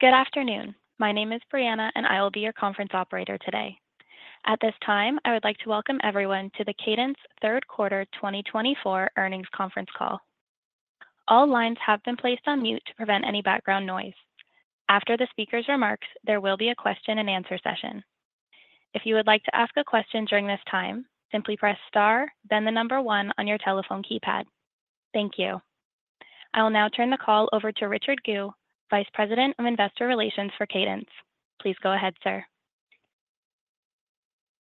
Good afternoon. My name is Brianna, and I will be your conference operator today. At this time, I would like to welcome everyone to the Cadence Third Quarter 2024 Earnings Conference Call. All lines have been placed on mute to prevent any background noise. After the speaker's remarks, there will be a question and answer session. If you would like to ask a question during this time, simply press star, then the number one on your telephone keypad. Thank you. I will now turn the call over to Richard Gu, Vice President of Investor Relations for Cadence. Please go ahead, sir.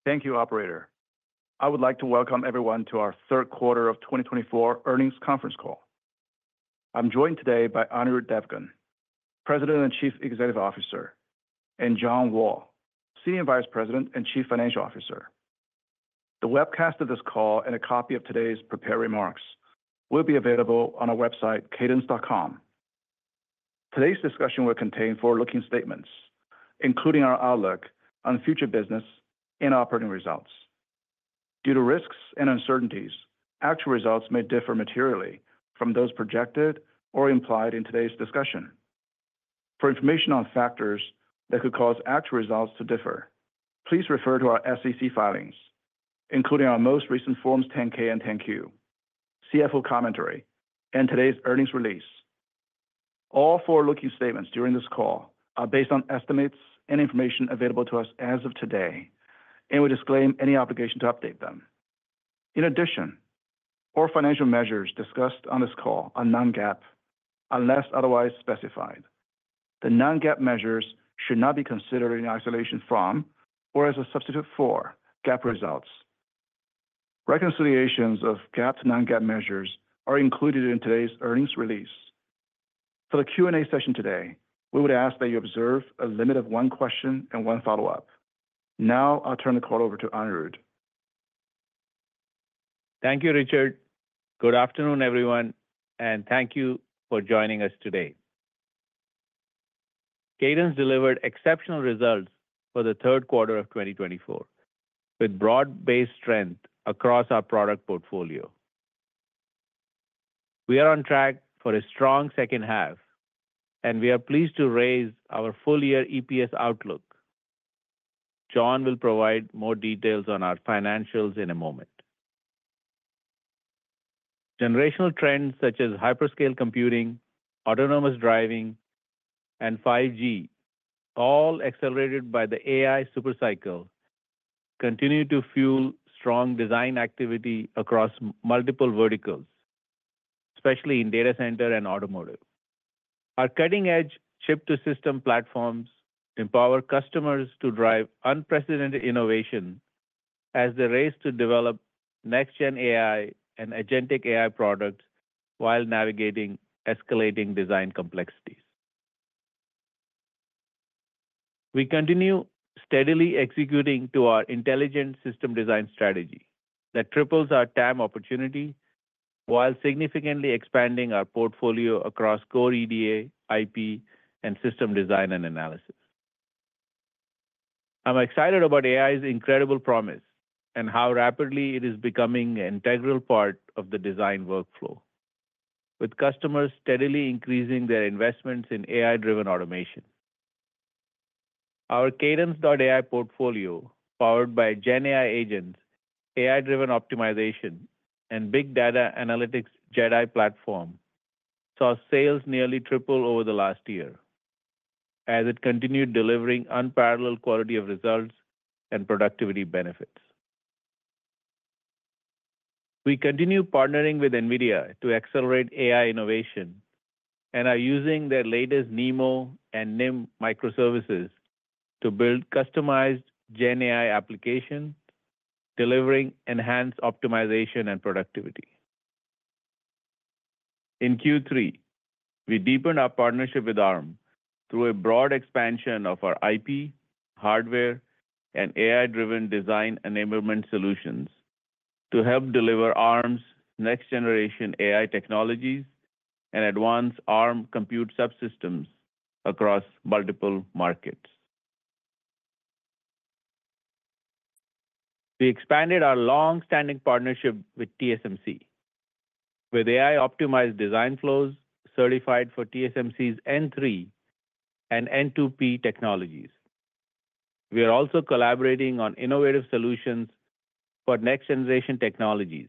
Thank you, operator. I would like to welcome everyone to our third quarter of twenty twenty-four earnings conference call. I'm joined today by Anirudh Devgan, President and Chief Executive Officer, and John Wall, Senior Vice President and Chief Financial Officer. The webcast of this call and a copy of today's prepared remarks will be available on our website, cadence.com. Today's discussion will contain forward-looking statements, including our outlook on future business and operating results. Due to risks and uncertainties, actual results may differ materially from those projected or implied in today's discussion. For information on factors that could cause actual results to differ, please refer to our SEC filings, including our most recent Forms 10-K and 10-Q, CFO commentary, and today's earnings release. All forward-looking statements during this call are based on estimates and information available to us as of today, and we disclaim any obligation to update them. In addition, all financial measures discussed on this call are non-GAAP, unless otherwise specified. The non-GAAP measures should not be considered in isolation from, or as a substitute for, GAAP results. Reconciliations of GAAP to non-GAAP measures are included in today's earnings release. For the Q&A session today, we would ask that you observe a limit of one question and one follow-up. Now, I'll turn the call over to Anirudh. Thank you, Richard. Good afternoon, everyone, and thank you for joining us today. Cadence delivered exceptional results for the third quarter of twenty twenty-four, with broad-based strength across our product portfolio. We are on track for a strong second half, and we are pleased to raise our full-year EPS outlook. John will provide more details on our financials in a moment. Generational trends such as hyperscale computing, autonomous driving, and 5G, all accelerated by the AI super cycle, continue to fuel strong design activity across multiple verticals, especially in data center and automotive. Our cutting-edge chip-to-system platforms empower customers to drive unprecedented innovation as they race to develop next-gen AI and agentic AI products while navigating escalating design complexities. We continue steadily executing to our Intelligent System Design strategy that triples our TAM opportunity while significantly expanding our portfolio across core EDA, IP, and system design and analysis. I'm excited about AI's incredible promise and how rapidly it is becoming an integral part of the design workflow, with customers steadily increasing their investments in AI-driven automation. Our Cadence.AI portfolio, powered by GenAI agents, AI-driven optimization, and big data analytics JedAI platform, saw sales nearly triple over the last year, as it continued delivering unparalleled quality of results and productivity benefits. We continue partnering with NVIDIA to accelerate AI innovation and are using their latest NeMo and NIM microservices to build customized GenAI applications, delivering enhanced optimization and productivity. In Q3, we deepened our partnership with Arm through a broad expansion of our IP, hardware, and AI-driven design enablement solutions to help deliver Arm's next-generation AI technologies and advance Arm Compute Subsystems across multiple markets. We expanded our long-standing partnership with TSMC, with AI-optimized design flows certified for TSMC's N3 and N2P technologies. We are also collaborating on innovative solutions for next-generation technologies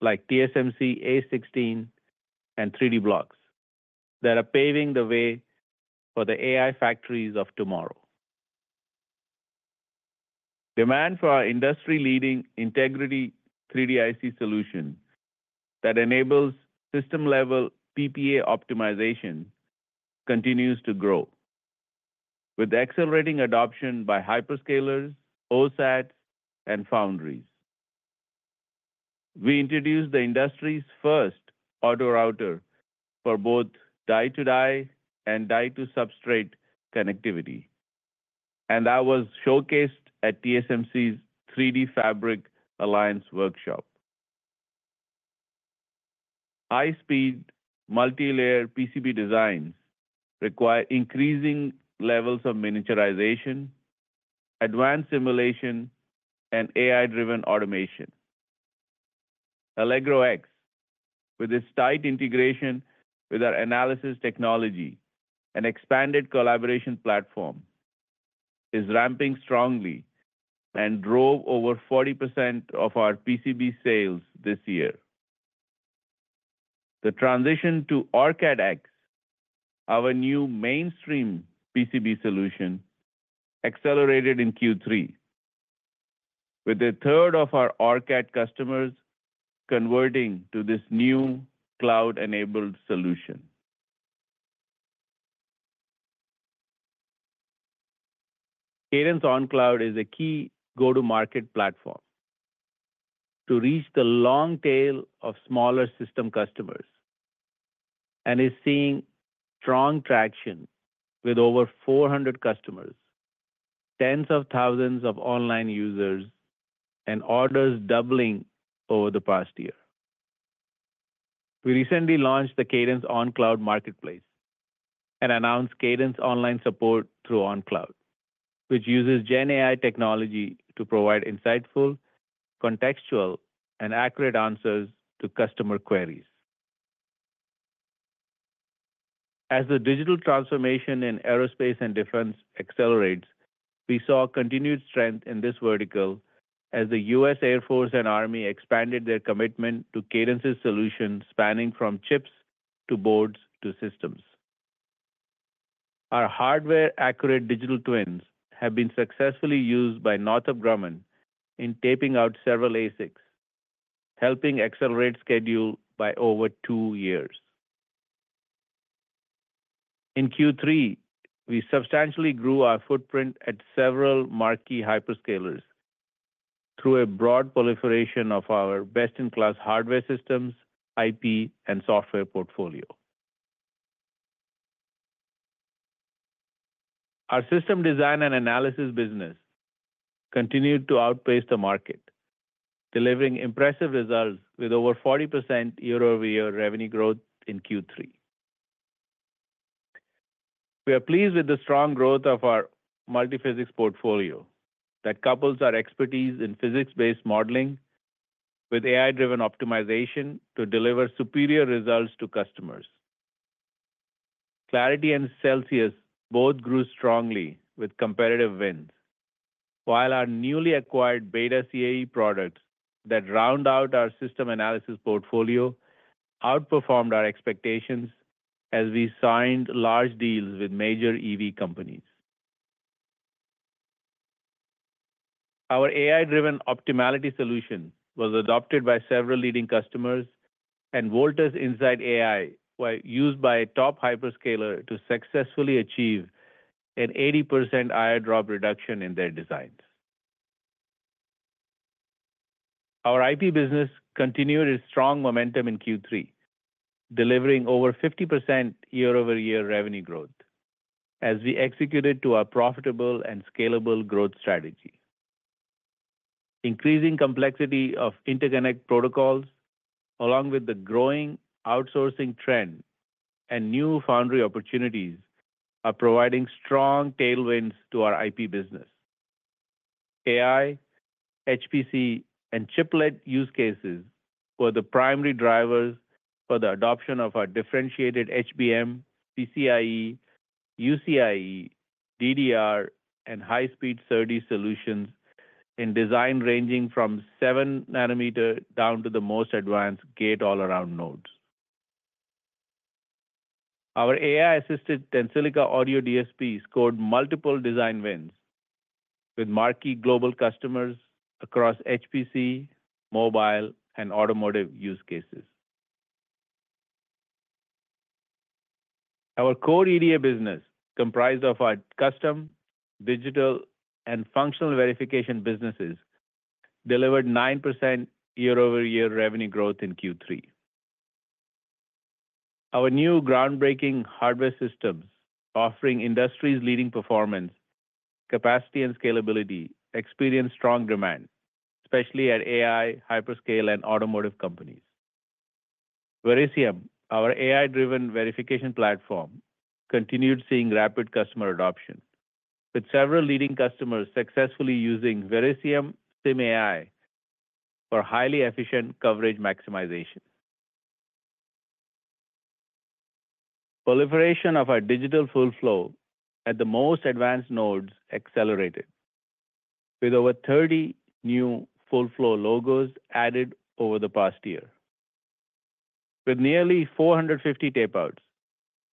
like TSMC A16 and 3Dblox, that are paving the way for the AI factories of tomorrow. Demand for our industry-leading Integrity 3D-IC solution that enables system-level PPA optimization continues to grow, with accelerating adoption by hyperscalers, OSATs, and foundries. We introduced the industry's first auto router for both die-to-die and die-to-substrate connectivity, and that was showcased at TSMC's 3DFabric Alliance Workshop. High-speed multilayer PCB designs require increasing levels of miniaturization, advanced simulation, and AI-driven automation. Allegro X, with its tight integration with our analysis technology and expanded collaboration platform, is ramping strongly and drove over 40% of our PCB sales this year. The transition to OrCAD X, our new mainstream PCB solution, accelerated in Q3, with a third of our OrCAD customers converting to this new cloud-enabled solution. Cadence OnCloud is a key go-to-market platform to reach the long tail of smaller system customers, and is seeing strong traction with over four hundred customers, tens of thousands of online users, and orders doubling over the past year. We recently launched the Cadence OnCloud Marketplace and announced Cadence Online Support through OnCloud, which uses GenAI technology to provide insightful, contextual, and accurate answers to customer queries. As the digital transformation in aerospace and defense accelerates, we saw continued strength in this vertical as the U.S. Air Force and U.S. Army expanded their commitment to Cadence's solution, spanning from chips to boards to systems. Our hardware-accurate digital twins have been successfully used by Northrop Grumman in taping out several ASICs, helping accelerate schedule by over two years. In Q3, we substantially grew our footprint at several marquee hyperscalers through a broad proliferation of our best-in-class hardware systems, IP, and software portfolio. Our system design and analysis business continued to outpace the market, delivering impressive results with over 40% year-over-year revenue growth in Q3. We are pleased with the strong growth of our multiphysics portfolio that couples our expertise in physics-based modeling with AI-driven optimization to deliver superior results to customers. Clarity and Celsius both grew strongly with competitive wins, while our newly acquired BETA CAE products that round out our system analysis portfolio outperformed our expectations as we signed large deals with major EV companies. Our AI-driven Optimality solution was adopted by several leading customers, and Voltus InsightAI was used by a top hyperscaler to successfully achieve an 80% IR drop reduction in their designs. Our IP business continued its strong momentum in Q3, delivering over 50% year-over-year revenue growth as we executed to our profitable and scalable growth strategy. Increasing complexity of interconnect protocols, along with the growing outsourcing trend and new foundry opportunities, are providing strong tailwinds to our IP business. AI, HPC, and chiplet use cases were the primary drivers for the adoption of our differentiated HBM, PCIe, UCIe, DDR, and high-speed SerDes solutions in design ranging from seven nanometer down to the most advanced gate-all-around nodes. Our AI-assisted Tensilica audio DSP scored multiple design wins, with marquee global customers across HPC, mobile, and automotive use cases. Our core EDA business, comprised of our custom, digital, and functional verification businesses, delivered 9% year-over-year revenue growth in Q3. Our new groundbreaking hardware systems, offering industry's leading performance, capacity, and scalability, experienced strong demand, especially at AI, hyperscale, and automotive companies. Verisium, our AI-driven verification platform, continued seeing rapid customer adoption, with several leading customers successfully using Verisium SimAI for highly efficient coverage maximization. Proliferation of our digital full flow at the most advanced nodes accelerated, with over thirty new full-flow logos added over the past year. With nearly four hundred and fifty tapeouts,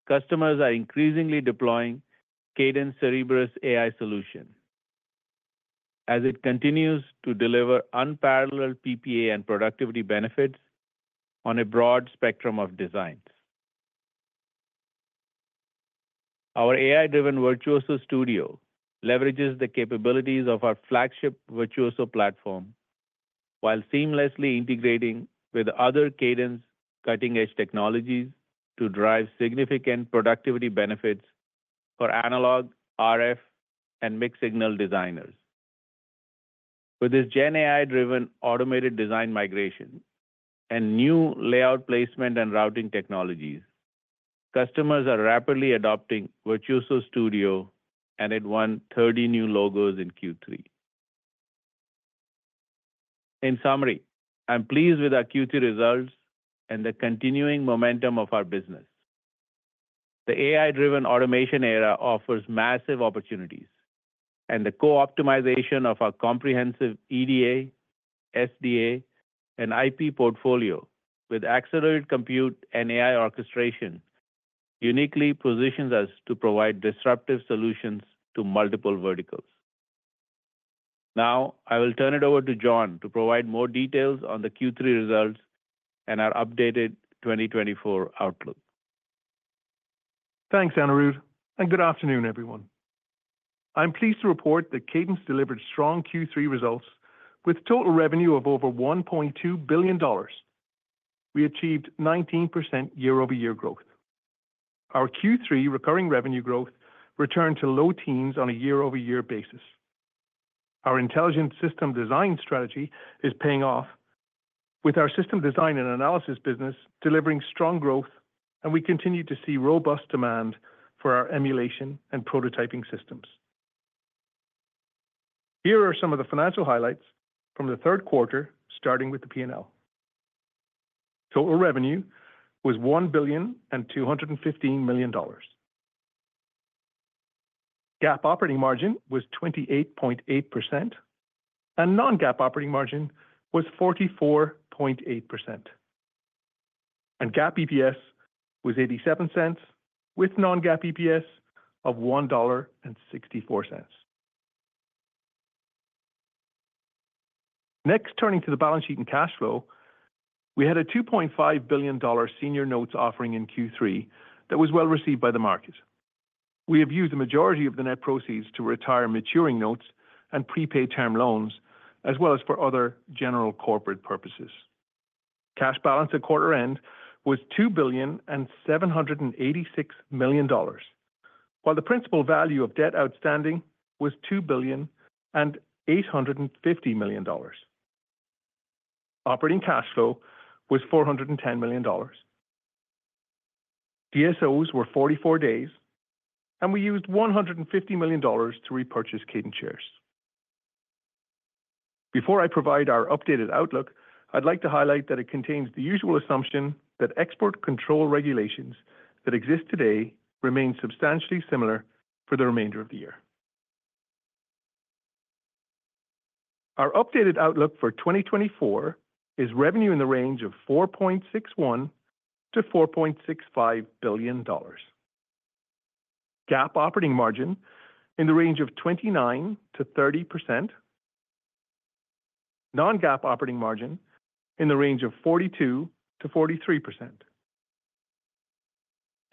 customers are increasingly deploying Cadence Cerebrus AI solution, as it continues to deliver unparalleled PPA and productivity benefits on a broad spectrum of designs. Our AI-driven Virtuoso Studio leverages the capabilities of our flagship Virtuoso platform while seamlessly integrating with other Cadence cutting-edge technologies to drive significant productivity benefits for analog, RF, and mixed-signal designers. With this GenAI-driven automated design migration and new layout placement and routing technologies... Customers are rapidly adopting Virtuoso Studio, and it won thirty new logos in Q3. In summary, I'm pleased with our Q3 results and the continuing momentum of our business. The AI-driven automation era offers massive opportunities, and the co-optimization of our comprehensive EDA, SD&A, and IP portfolio with accelerated compute and AI orchestration, uniquely positions us to provide disruptive solutions to multiple verticals. Now, I will turn it over to John to provide more details on the Q3 results and our updated 2024 outlook. Thanks, Anirudh, and good afternoon, everyone. I'm pleased to report that Cadence delivered strong Q3 results with total revenue of over $1.2 billion. We achieved 19% year-over-year growth. Our Q3 recurring revenue growth returned to low teens on a year-over-year basis. Our Intelligent System Design strategy is paying off, with our system design and analysis business delivering strong growth, and we continue to see robust demand for our emulation and prototyping systems. Here are some of the financial highlights from the third quarter, starting with the P&L. Total revenue was $1.215 billion. GAAP operating margin was 28.8%, and non-GAAP operating margin was 44.8%, and GAAP EPS was $0.87, with non-GAAP EPS of $1.64. Next, turning to the balance sheet and cash flow. We had a $2.5 billion senior notes offering in Q3 that was well-received by the market. We have used the majority of the net proceeds to retire maturing notes and prepaid term loans, as well as for other general corporate purposes. Cash balance at quarter end was $2.786 billion, while the principal value of debt outstanding was $2.85 billion. Operating cash flow was $410 million. DSOs were 44 days, and we used $150 million to repurchase Cadence shares. Before I provide our updated outlook, I'd like to highlight that it contains the usual assumption that export control regulations that exist today remain substantially similar for the remainder of the year. Our updated outlook for 2024 is revenue in the range of $4.61-$4.65 billion. GAAP operating margin in the range of 29%-30%. Non-GAAP operating margin in the range of 42%-43%.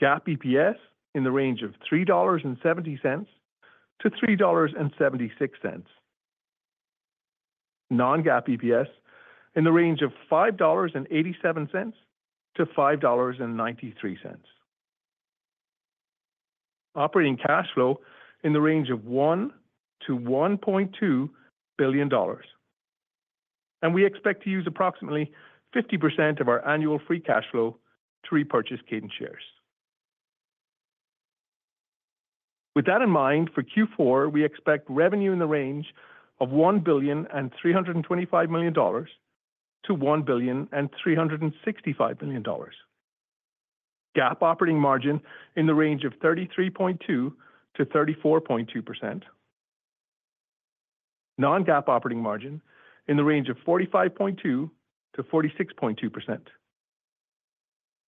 GAAP EPS in the range of $3.70-$3.76. Non-GAAP EPS in the range of $5.87-$5.93. Operating cash flow in the range of $1-$1.2 billion, and we expect to use approximately 50% of our annual free cash flow to repurchase Cadence shares. With that in mind, for Q4, we expect revenue in the range of $1.325 billion-$1.365 billion. GAAP operating margin in the range of 33.2%-34.2%. Non-GAAP operating margin in the range of 45.2%-46.2%.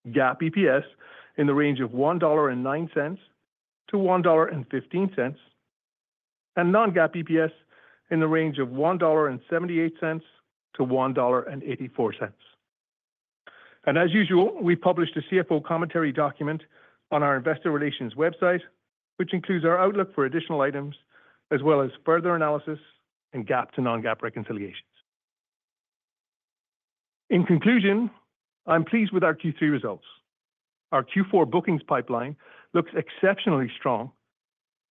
GAAP EPS in the range of $1.09-$1.15, and non-GAAP EPS in the range of $1.78-$1.84. And as usual, we published a CFO commentary document on our investor relations website, which includes our outlook for additional items, as well as further analysis and GAAP to non-GAAP reconciliations. In conclusion, I'm pleased with our Q3 results. Our Q4 bookings pipeline looks exceptionally strong,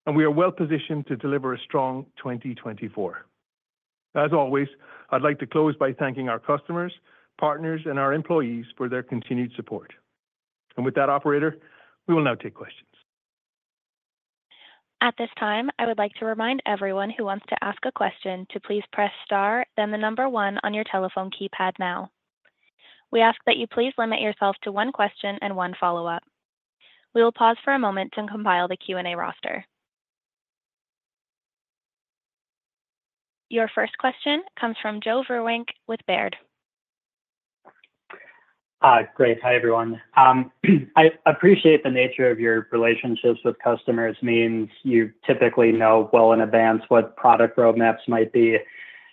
and we are well positioned to deliver a strong 2024. As always, I'd like to close by thanking our customers, partners, and our employees for their continued support. And with that, operator, we will now take questions. At this time, I would like to remind everyone who wants to ask a question to please press star, then the number one on your telephone keypad now. We ask that you please limit yourself to one question and one follow-up. We will pause for a moment to compile the Q&A roster. Your first question comes from Joe Vruwink with Baird. Great. Hi, everyone. I appreciate the nature of your relationships with customers means you typically know well in advance what product roadmaps might be.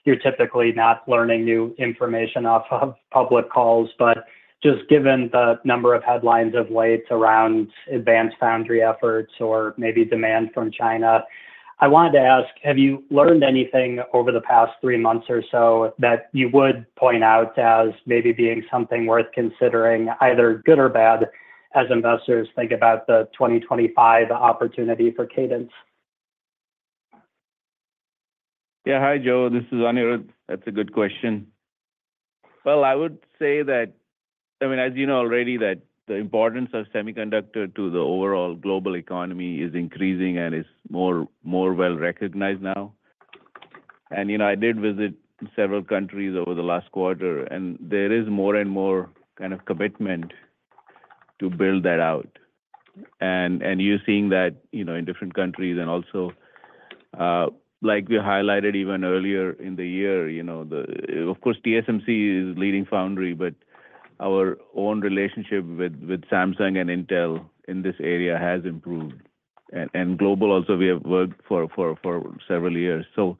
You're typically not learning new information off of public calls, but just given the number of headlines of late around advanced foundry efforts or maybe demand from China, I wanted to ask, have you learned anything over the past three months or so that you would point out as maybe being something worth considering, either good or bad, as investors think about the twenty twenty-five opportunity for Cadence?... Yeah. Hi, Joe, this is Anirudh. That's a good question. Well, I would say that, I mean, as you know already, that the importance of semiconductor to the overall global economy is increasing and is more, more well-recognized now. And, you know, I did visit several countries over the last quarter, and there is more and more kind of commitment to build that out. And you're seeing that, you know, in different countries. And also, like we highlighted even earlier in the year, you know, of course, TSMC is leading foundry, but our own relationship with Samsung and Intel in this area has improved. And Global also, we have worked for several years. So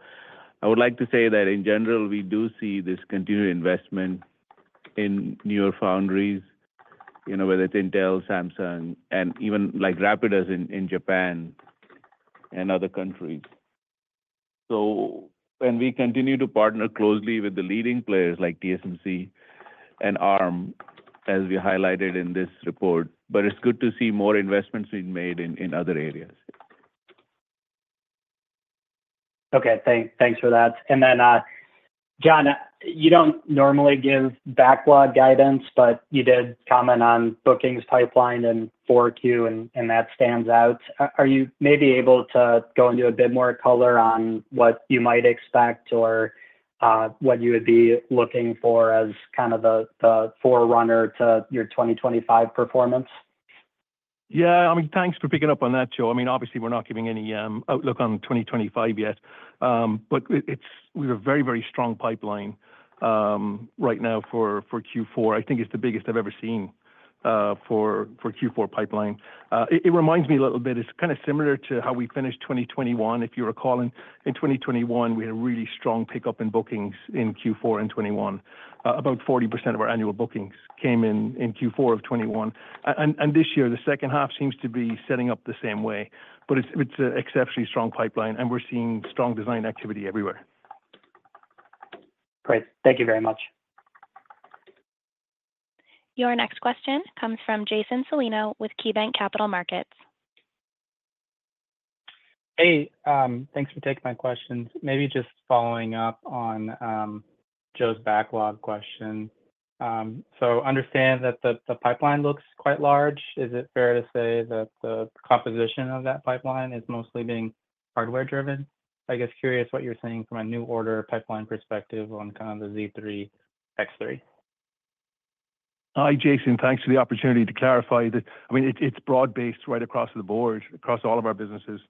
I would like to say that in general, we do see this continued investment in newer foundries, you know, whether it's Intel, Samsung, and even like Rapidus in Japan and other countries. So when we continue to partner closely with the leading players like TSMC and Arm, as we highlighted in this report, but it's good to see more investments being made in other areas. Okay, thanks for that. And then, John, you don't normally give backlog guidance, but you did comment on bookings pipeline in Q4, and that stands out. Are you maybe able to go into a bit more color on what you might expect or what you would be looking for as kind of the forerunner to your 2025 performance? Yeah, I mean, thanks for picking up on that, Joe. I mean, obviously, we're not giving any outlook on 2025 yet, but we have a very, very strong pipeline right now for Q4. I think it's the biggest I've ever seen for Q4 pipeline. It reminds me a little bit, it's kind of similar to how we finished 2021. If you recall, in 2021, we had a really strong pickup in bookings in Q4 in 2021. About 40% of our annual bookings came in Q4 of 2021. And this year, the second half seems to be setting up the same way, but it's a exceptionally strong pipeline, and we're seeing strong design activity everywhere. Great. Thank you very much. Your next question comes from Jason Celino with KeyBanc Capital Markets. Hey, thanks for taking my questions. Maybe just following up on Joe's backlog question. So understand that the pipeline looks quite large. Is it fair to say that the composition of that pipeline is mostly being hardware-driven? I guess, curious what you're seeing from a new order pipeline perspective on kind of the Z3, X3. Hi, Jason. Thanks for the opportunity to clarify. I mean, it's broad-based right across the board, across all of our businesses,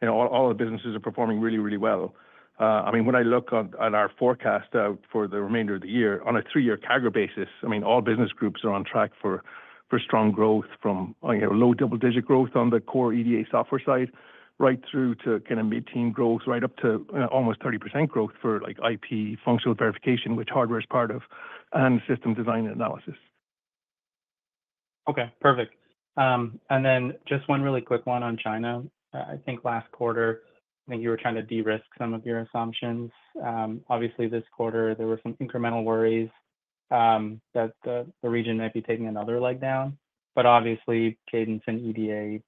and all our businesses are performing really, really well. I mean, when I look at our forecast out for the remainder of the year on a three-year CAGR basis, I mean, all business groups are on track for strong growth, from, you know, low double-digit growth on the core EDA software side, right through to kind of mid-teen growth, right up to almost 30% growth for, like, IP functional verification, which hardware is part of, and system design analysis. Okay, perfect. And then just one really quick one on China. I think last quarter, I think you were trying to de-risk some of your assumptions. Obviously this quarter, there were some incremental worries that the region might be taking another leg down. But obviously, Cadence and EDA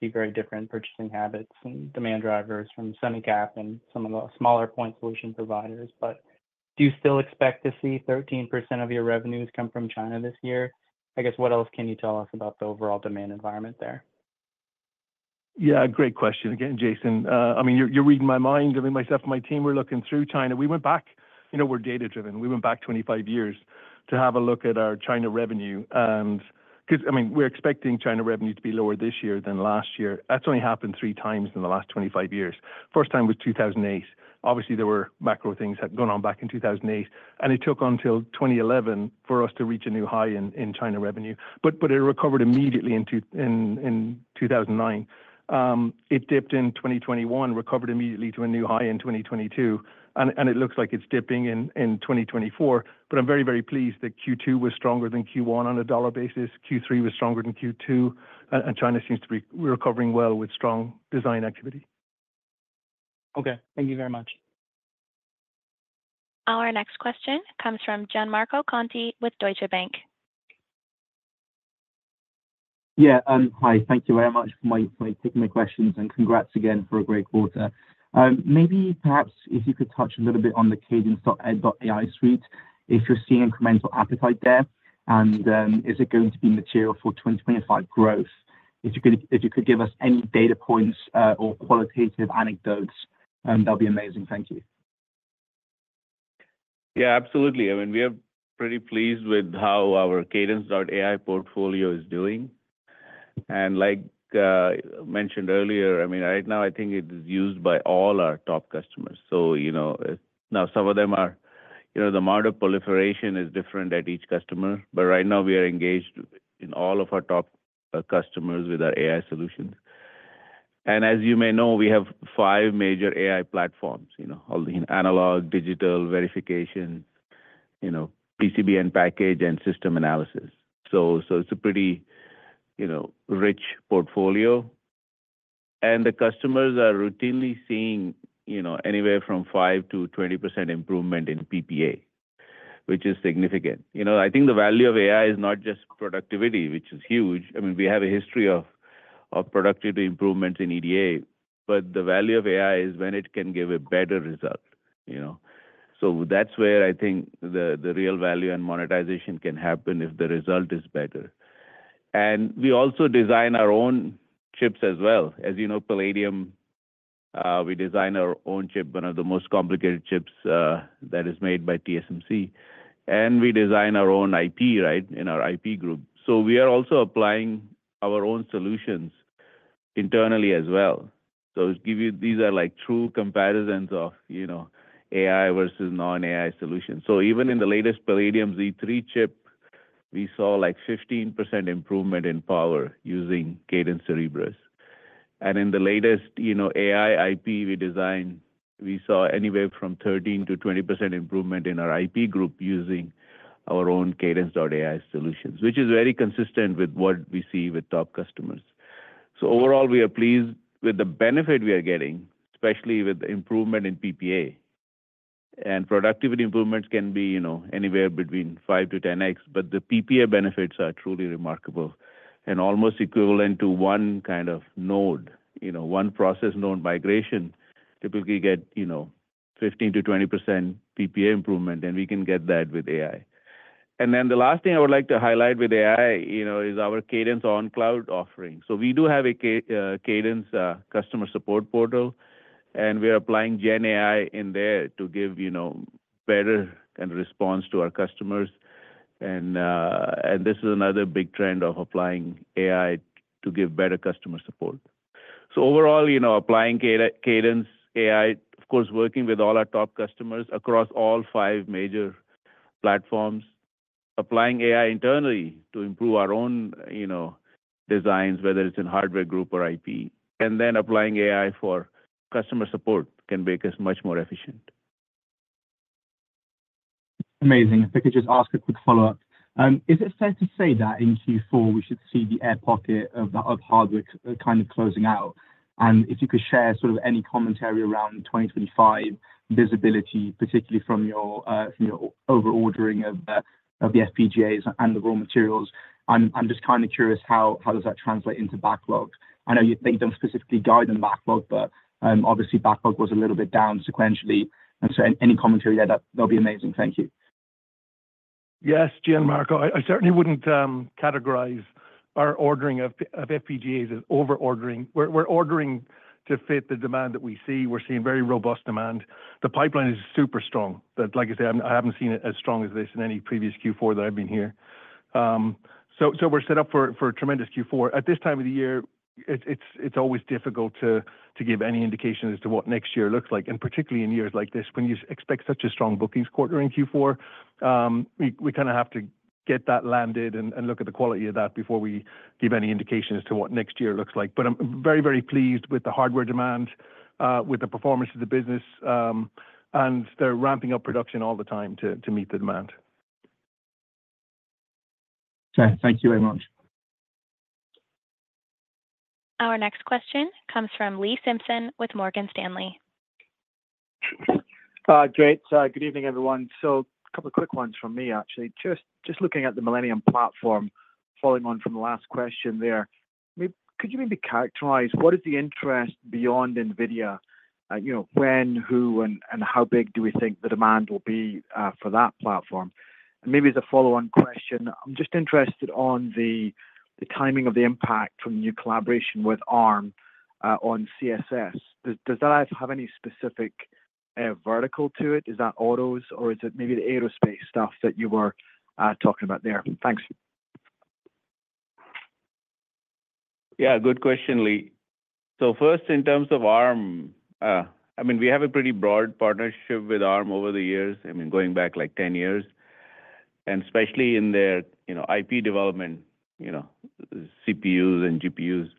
see very different purchasing habits and demand drivers from SemiCap and some of the smaller point solution providers. But do you still expect to see 13% of your revenues come from China this year? I guess, what else can you tell us about the overall demand environment there? Yeah, great question again, Jason. I mean, you're reading my mind. I mean, myself and my team, we're looking through China. We went back, you know, we're data-driven. We went back twenty-five years to have a look at our China revenue. And because, I mean, we're expecting China revenue to be lower this year than last year. That's only happened three times in the last twenty-five years. First time was two thousand and eight. Obviously, there were macro things had gone on back in two thousand and eight, and it took until twenty eleven for us to reach a new high in China revenue. But it recovered immediately in two thousand and nine. It dipped in twenty twenty-one, recovered immediately to a new high in twenty twenty-two, and it looks like it's dipping in twenty twenty-four. But I'm very, very pleased that Q2 was stronger than Q1 on a dollar basis. Q3 was stronger than Q2, and China seems to be recovering well with strong design activity. Okay. Thank you very much. Our next question comes from Gianmarco Conti with Deutsche Bank. Yeah, hi. Thank you very much for taking my questions, and congrats again for a great quarter. Maybe perhaps if you could touch a little bit on the Cadence.AI suite, if you're seeing incremental appetite there, and is it going to be material for twenty twenty-five growth? If you could give us any data points or qualitative anecdotes, that'd be amazing. Thank you. Yeah, absolutely. I mean, we are pretty pleased with how our Cadence.AI portfolio is doing. And like mentioned earlier, I mean, right now, I think it is used by all our top customers. So you know, now some of them are. You know, the amount of proliferation is different at each customer, but right now we are engaged in all of our top customers with our AI solutions. And as you may know, we have five major AI platforms, you know, all in analog, digital, verification, you know, PCB and package and system analysis. So, so it's a pretty, you know, rich portfolio, and the customers are routinely seeing, you know, anywhere from five to 20% improvement in PPA, which is significant. You know, I think the value of AI is not just productivity, which is huge. I mean, we have a history of productivity improvement in EDA, but the value of AI is when it can give a better result, you know? So that's where I think the real value and monetization can happen if the result is better. And we also design our own chips as well. As you know, Palladium, we design our own chip, one of the most complicated chips that is made by TSMC, and we design our own IP, right, in our IP group. So we are also applying our own solutions internally as well. So to give you, these are like true comparisons of, you know, AI versus non-AI solutions. So even in the latest Palladium Z3 chip, we saw, like, 15% improvement in power using Cadence Cerebrus. And in the latest, you know, AI IP we designed, we saw anywhere from 13%-20% improvement in our IP group using our own Cadence.AI solutions, which is very consistent with what we see with top customers. So overall, we are pleased with the benefit we are getting, especially with the improvement in PPA. And productivity improvements can be, you know, anywhere between 5-10X, but the PPA benefits are truly remarkable and almost equivalent to one kind of node. You know, one process node migration typically get, you know, 15%-20% PPA improvement, and we can get that with AI. And then the last thing I would like to highlight with AI, you know, is our Cadence OnCloud offering. So we do have a Cadence customer support portal, and we are applying GenAI in there to give, you know, better kind of response to our customers. And this is another big trend of applying AI to give better customer support. So overall, you know, applying Cadence AI, of course, working with all our top customers across all five major platforms, applying AI internally to improve our own, you know, designs, whether it's in hardware group or IP, and then applying AI for customer support can make us much more efficient. Amazing. If I could just ask a quick follow-up. Is it safe to say that in Q4, we should see the air pocket of the hardware kind of closing out? And if you could share sort of any commentary around 2025 visibility, particularly from your over ordering of the FPGAs and the raw materials. I'm just kinda curious, how does that translate into backlogs? I know you, they don't specifically guide on backlog, but obviously backlog was a little bit down sequentially. And so any commentary there, that'll be amazing. Thank you. Yes, Gianmarco, I certainly wouldn't categorize our ordering of FPGAs as over ordering. We're ordering to fit the demand that we see. We're seeing very robust demand. The pipeline is super strong. But like I said, I haven't seen it as strong as this in any previous Q4 that I've been here. So we're set up for a tremendous Q4. At this time of the year, it's always difficult to give any indication as to what next year looks like, and particularly in years like this, when you expect such a strong bookings quarter in Q4. We kinda have to get that landed and look at the quality of that before we give any indication as to what next year looks like. But I'm very, very pleased with the hardware demand, with the performance of the business, and they're ramping up production all the time to meet the demand. Okay, thank you very much. Our next question comes from Lee Simpson with Morgan Stanley. Great. Good evening, everyone. So a couple of quick ones from me, actually. Just looking at the Millennium platform, following on from the last question there, could you maybe characterize what is the interest beyond NVIDIA? You know, when, who, and how big do we think the demand will be for that platform? And maybe as a follow-on question, I'm just interested on the timing of the impact from the new collaboration with Arm on CSS. Does that have any specific vertical to it? Is that autos, or is it maybe the aerospace stuff that you were talking about there? Thanks. Yeah, good question, Lee. So first, in terms of Arm, I mean, we have a pretty broad partnership with Arm over the years, I mean, going back like ten years, and especially in their, you know, IP development, you know, CPUs and GPUs.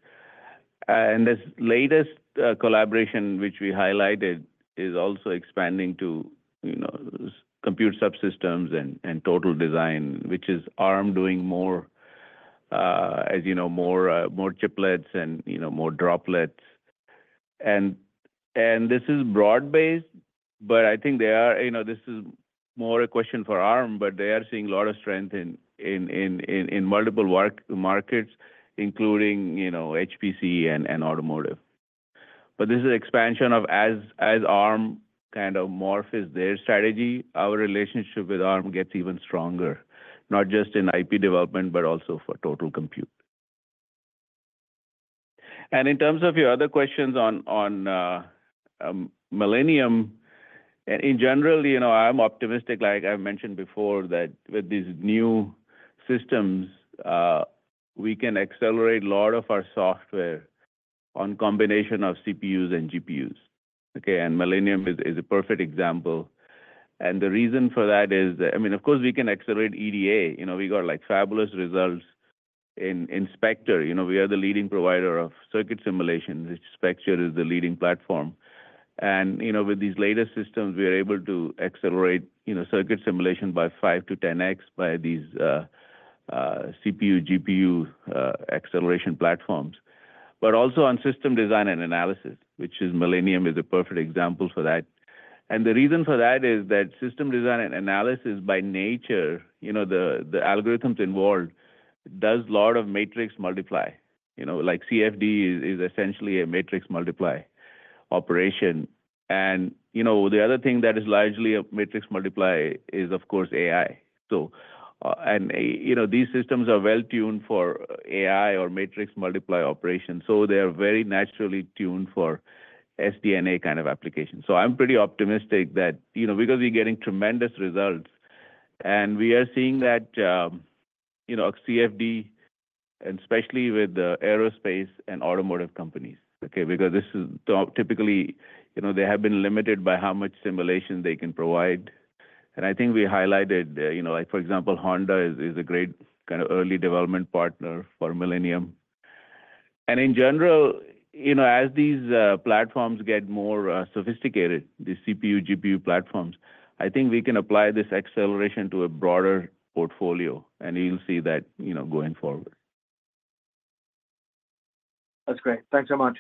And this latest collaboration, which we highlighted, is also expanding to, you know, compute subsystems and total design, which is Arm doing more, as you know, more chiplets and, you know, more full chips. And this is broad-based, but I think they are. You know, this is more a question for Arm, but they are seeing a lot of strength in multiple end markets, including, you know, HPC and automotive. But this is an expansion of, as Arm kind of morphs their strategy, our relationship with Arm gets even stronger, not just in IP development, but also for total compute. And in terms of your other questions on Millennium, in general, you know, I'm optimistic, like I mentioned before, that with these new systems, we can accelerate a lot of our software on combination of CPUs and GPUs, okay? And Millennium is a perfect example. And the reason for that is, I mean, of course, we can accelerate EDA. You know, we got, like, fabulous results in Spectre. You know, we are the leading provider of circuit simulation. Spectre is the leading platform. And, you know, with these latest systems, we are able to accelerate, you know, circuit simulation by five to 10X by these CPU, GPU acceleration platforms. But also on system design and analysis, which is. Millennium is a perfect example for that. And the reason for that is that system design and analysis by nature, you know, the algorithms involved does a lot of matrix multiply. You know, like CFD is essentially a matrix multiply operation. And, you know, the other thing that is largely a matrix multiply is, of course, AI. So, and, you know, these systems are well-tuned for AI or matrix multiply operations, so they are very naturally tuned for SD&A kind of applications. So I'm pretty optimistic that, you know, because we're getting tremendous results, and we are seeing that, you know, CFD and especially with the aerospace and automotive companies, okay? Because this is typically, you know, they have been limited by how much simulation they can provide. I think we highlighted, you know, like, for example, Honda is a great kind of early development partner for Millennium. In general, you know, as these platforms get more sophisticated, the CPU, GPU platforms, I think we can apply this acceleration to a broader portfolio, and you'll see that, you know, going forward. That's great. Thanks so much.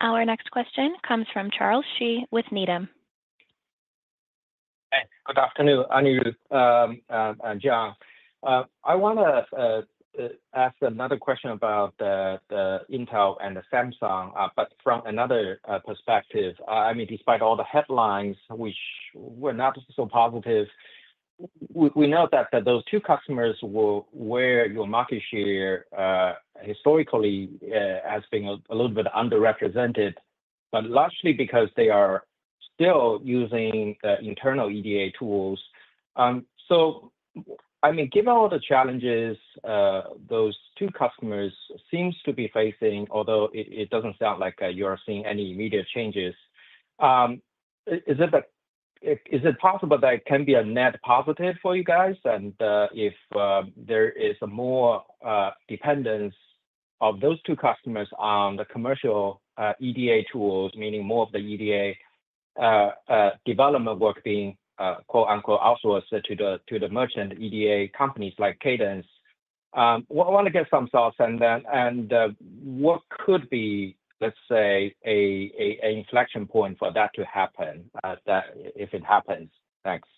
Our next question comes from Charles Shi with Needham. Hey, good afternoon, Anirudh, and John. I wanna ask another question about the Intel and the Samsung, but from another perspective. I mean, despite all the headlines, which were not so positive, we note that those two customers were-- where your market share, historically, as being a little bit underrepresented, but largely because they are still using the internal EDA tools. So, I mean, given all the challenges, those two customers seems to be facing, although it doesn't sound like you are seeing any immediate changes, is it that-- is it possible that it can be a net positive for you guys? If there is a more dependence of those two customers on the commercial EDA tools, meaning more of the EDA development work being quote-unquote "outsourced" to the merchant EDA companies like Cadence. I want to get some thoughts on that, and what could be, let's say, an inflection point for that to happen, that if it happens? Thanks.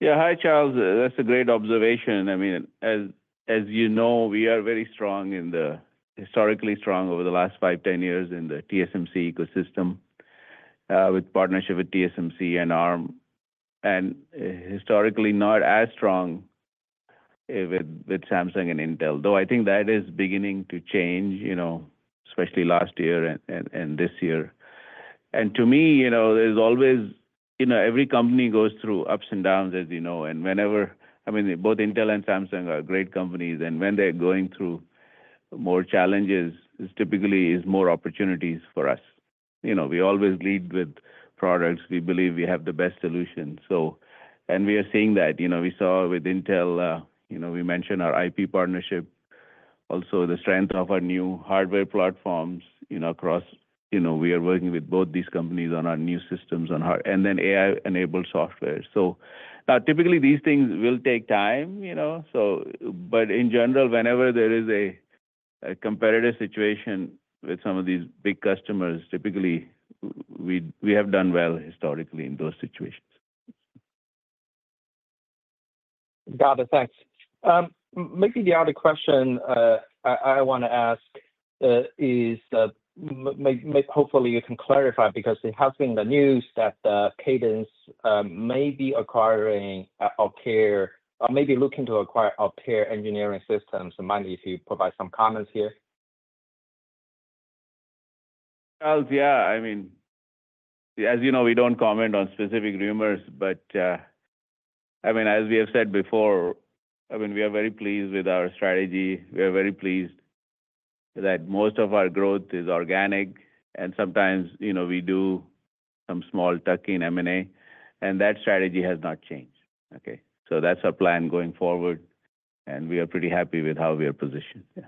Yeah. Hi, Charles. That's a great observation. I mean, as you know, we are very strong in the historically strong over the last five, 10 years in the TSMC ecosystem, with partnership with TSMC and Arm, and historically not as strong with Samsung and Intel. Though I think that is beginning to change, you know, especially last year and this year. And to me, you know, there's always, you know, every company goes through ups and downs, as you know, and whenever I mean, both Intel and Samsung are great companies, and when they're going through more challenges, it's typically is more opportunities for us. You know, we always lead with products. We believe we have the best solution. So, and we are seeing that. You know, we saw with Intel, you know, we mentioned our IP partnership, also the strength of our new hardware platforms, you know, across. You know, we are working with both these companies on our new systems on hardware, and then AI-enabled software. So, typically, these things will take time, you know, so but in general, whenever there is a competitive situation with some of these big customers, typically, we have done well historically in those situations. Got it. Thanks. Maybe the other question I wanna ask is, hopefully, you can clarify, because it has been in the news that Cadence may be acquiring Altair, or may be looking to acquire Altair Engineering. So maybe if you provide some comments here. Well, yeah, I mean, as you know, we don't comment on specific rumors, but, I mean, as we have said before, I mean, we are very pleased with our strategy. We are very pleased that most of our growth is organic, and sometimes, you know, we do some small tuck-in M&A, and that strategy has not changed, okay? So that's our plan going forward, and we are pretty happy with how we are positioned. Yeah.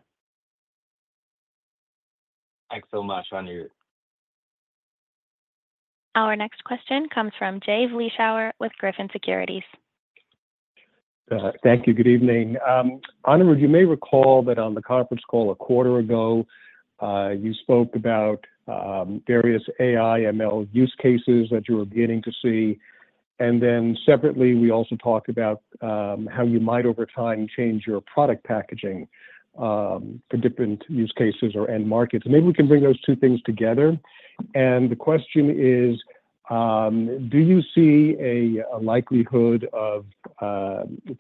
Thanks so much, Anirudh. Our next question comes from Jay Vleeschhouwer with Griffin Securities. Thank you. Good evening. Anirudh, you may recall that on the conference call a quarter ago, you spoke about various AI, ML use cases that you were beginning to see, and then separately, we also talked about how you might, over time, change your product packaging for different use cases or end markets, and maybe we can bring those two things together, and the question is, do you see a likelihood of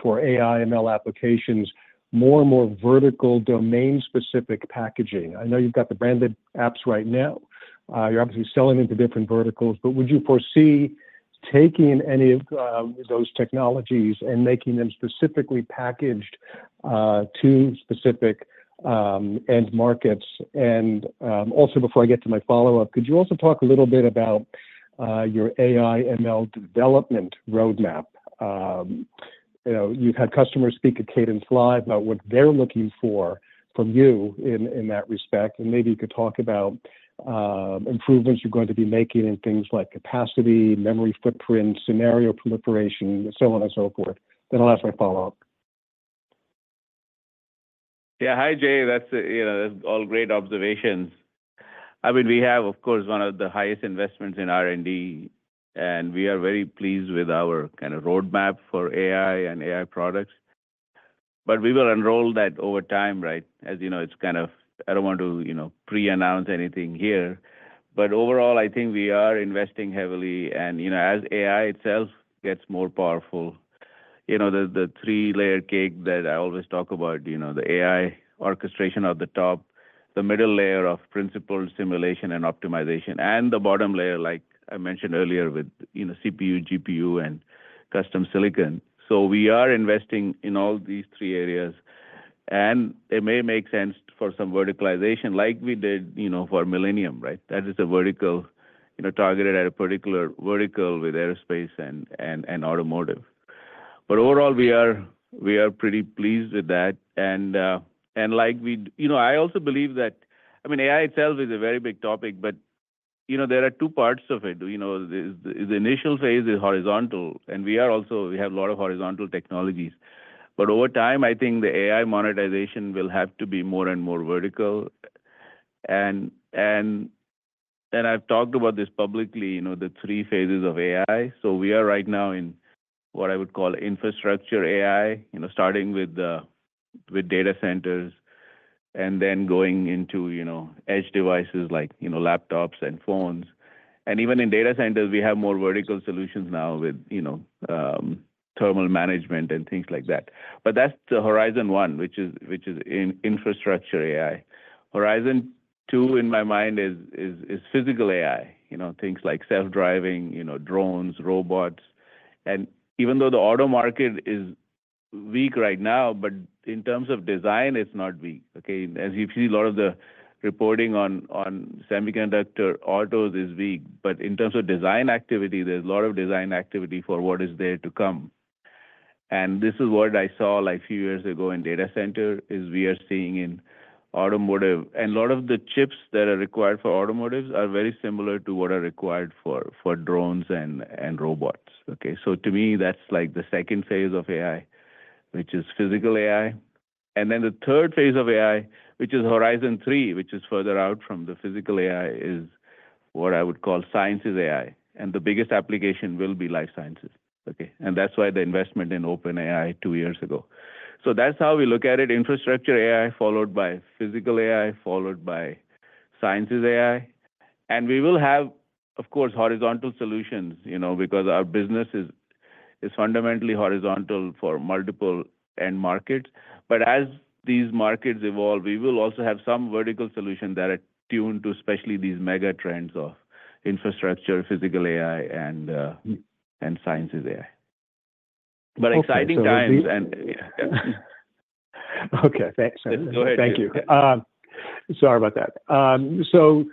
for AI, ML applications, more and more vertical domain-specific packaging? I know you've got the branded apps right now. You're obviously selling into different verticals, but would you foresee taking any of those technologies and making them specifically packaged to specific end markets? Also, before I get to my follow-up, could you also talk a little bit about your AI, ML development roadmap? You know, you've had customers speak at CadenceLIVE about what they're looking for from you in that respect, and maybe you could talk about improvements you're going to be making in things like capacity, memory footprint, scenario proliferation, so on and so forth. Then I'll ask my follow-up. Yeah. Hi, Jay. That's, you know, that's all great observations. I mean, we have, of course, one of the highest investments in R&D, and we are very pleased with our kind of roadmap for AI and AI products. But we will unroll that over time, right? As you know, it's kind of. I don't want to, you know, preannounce anything here, but overall, I think we are investing heavily and, you know, as AI itself gets more powerful, you know, the three-layer cake that I always talk about, you know, the AI orchestration at the top, the middle layer of physical simulation, and optimization, and the bottom layer, like I mentioned earlier, with, you know, CPU, GPU, and custom silicon. So we are investing in all these three areas, and it may make sense for some verticalization like we did, you know, for Millennium, right? That is a vertical, you know, targeted at a particular vertical with aerospace and automotive. But overall, we are pretty pleased with that, and you know, I also believe that. I mean, AI itself is a very big topic, but, you know, there are two parts of it. You know, the initial phase is horizontal, and we also have a lot of horizontal technologies. But over time, I think the AI monetization will have to be more and more vertical. And I've talked about this publicly, you know, the three phases of AI. So we are right now in what I would call infrastructure AI, you know, starting with data centers and then going into, you know, edge devices like laptops and phones. And even in data centers, we have more vertical solutions now with, you know, thermal management and things like that. But that's the Horizon One, which is in infrastructure AI. Horizon Two, in my mind, is physical AI. You know, things like self-driving, you know, drones, robots. And even though the auto market is weak right now, but in terms of design, it's not weak, okay? As you see, a lot of the reporting on semiconductor autos is weak, but in terms of design activity, there's a lot of design activity for what is there to come. And this is what I saw like a few years ago in data center, is we are seeing in automotive. And a lot of the chips that are required for automotives are very similar to what are required for drones and robots, okay? So to me, that's like the second phase of AI, which is physical AI. And then the third phase of AI, which is Horizon Three, which is further out from the physical AI, is what I would call sciences AI, and the biggest application will be life sciences, okay? And that's why the investment in OpenEye two years ago. So that's how we look at it: infrastructure AI, followed by physical AI, followed by sciences AI. And we will have, of course, horizontal solutions, you know, because our business is, is fundamentally horizontal for multiple end markets. But as these markets evolve, we will also have some vertical solutions that are tuned to, especially these mega trends of infrastructure, physical AI, and and sciences AI. But exciting times and- Okay, thanks. Go ahead. Thank you. Sorry about that. So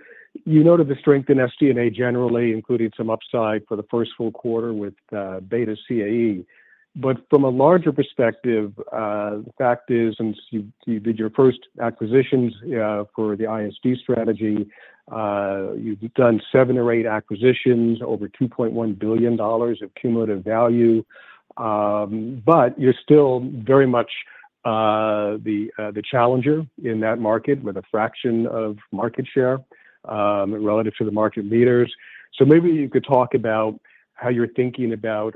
you noted the strength in SD&A generally, including some upside for the first full quarter with BETA CAE. But from a larger perspective, the fact is, since you did your first acquisitions for the ISD strategy, you've done seven or eight acquisitions, over $2.1 billion of cumulative value. But you're still very much the challenger in that market, with a fraction of market share, relative to the market leaders. So maybe you could talk about how you're thinking about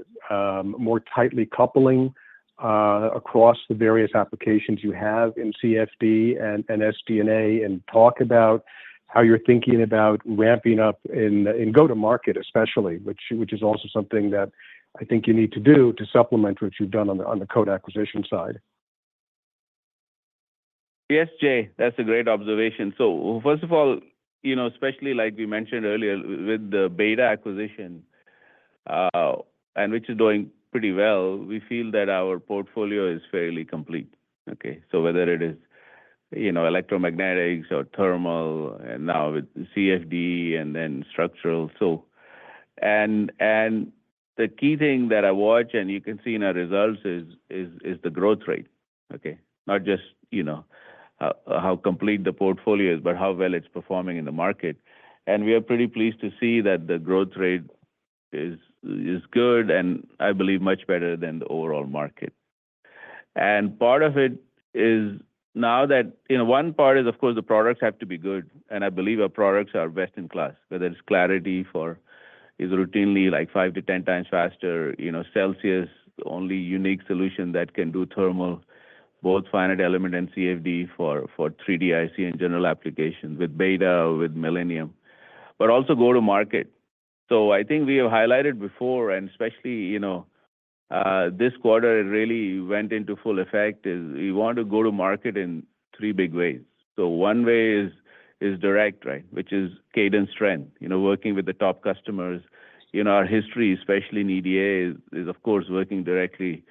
more tightly coupling across the various applications you have in CFD and SD&A, and talk about how you're thinking about ramping up in go-to-market especially, which is also something that I think you need to do to supplement what you've done on the BETA CAE acquisition side. Yes, Jay, that's a great observation. So first of all, you know, especially like we mentioned earlier with the BETA acquisition, and which is doing pretty well, we feel that our portfolio is fairly complete, okay? So whether it is, you know, electromagnetics or thermal, and now with CFD and then structural, so. And the key thing that I watch, and you can see in our results, is the growth rate, okay? Not just, you know, how complete the portfolio is, but how well it's performing in the market. And we are pretty pleased to see that the growth rate is good, and I believe much better than the overall market. Part of it is now that, you know, one part is, of course, the products have to be good, and I believe our products are best in class, whether it's Clarity, which is routinely like five to 10 times faster, you know, Celsius, the only unique solution that can do thermal, both finite element and CFD for 3D-IC and general applications with BETA CAE Systems, with Millennium, but also go to market. So I think we have highlighted before, and especially, you know, this quarter, it really went into full effect, is we want to go to market in three big ways. So one way is direct, right? Which is Cadence direct. You know, working with the top customers in our history, especially in EDA, is, of course, working directly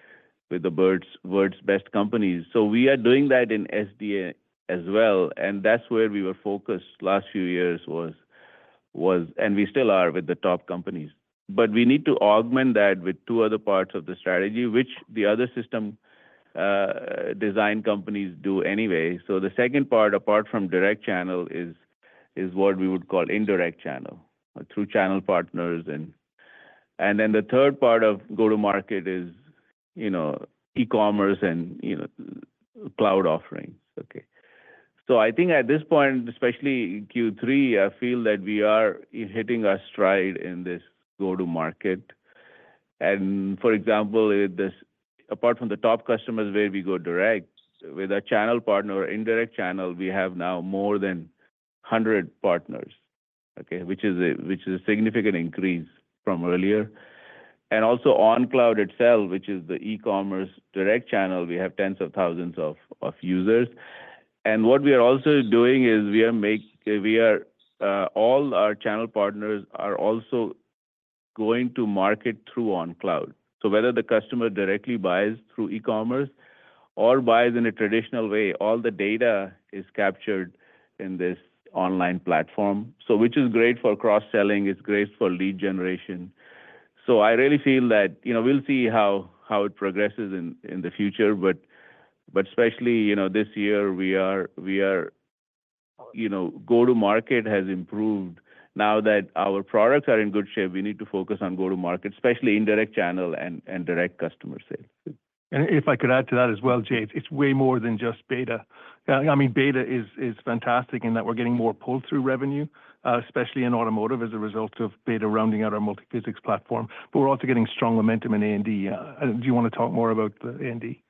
with the world's best companies. So we are doing that in SD&A as well, and that's where we were focused last few years was, and we still are with the top companies. But we need to augment that with two other parts of the strategy, which the other system design companies do anyway. So the second part, apart from direct channel, is what we would call indirect channel, through channel partners and. And then the third part of go-to-market is, you know, e-commerce and, you know, cloud offerings. Okay. So I think at this point, especially in Q3, I feel that we are hitting our stride in this go-to-market. And for example, apart from the top customers where we go direct, with our channel partner or indirect channel, we have now more than 100 partners, okay? Which is a significant increase from earlier. And also OnCloud itself, which is the e-commerce direct channel, we have tens of thousands of users. And what we are also doing is we are all our channel partners are also going to market through OnCloud. So whether the customer directly buys through e-commerce or buys in a traditional way, all the data is captured in this online platform. So which is great for cross-selling, it's great for lead generation. So I really feel that, you know, we'll see how it progresses in the future, but especially, you know, this year, we are, you know, go-to-market has improved. Now that our products are in good shape, we need to focus on go-to-market, especially indirect channel and direct customer sales. And if I could add to that as well, Jade, it's way more than just BETA. I mean, BETA is fantastic in that we're getting more pull-through revenue, especially in automotive, as a result of BETA rounding out our multi-physics platform. But we're also getting strong momentum in A&D. Do you wanna talk more about the A&D?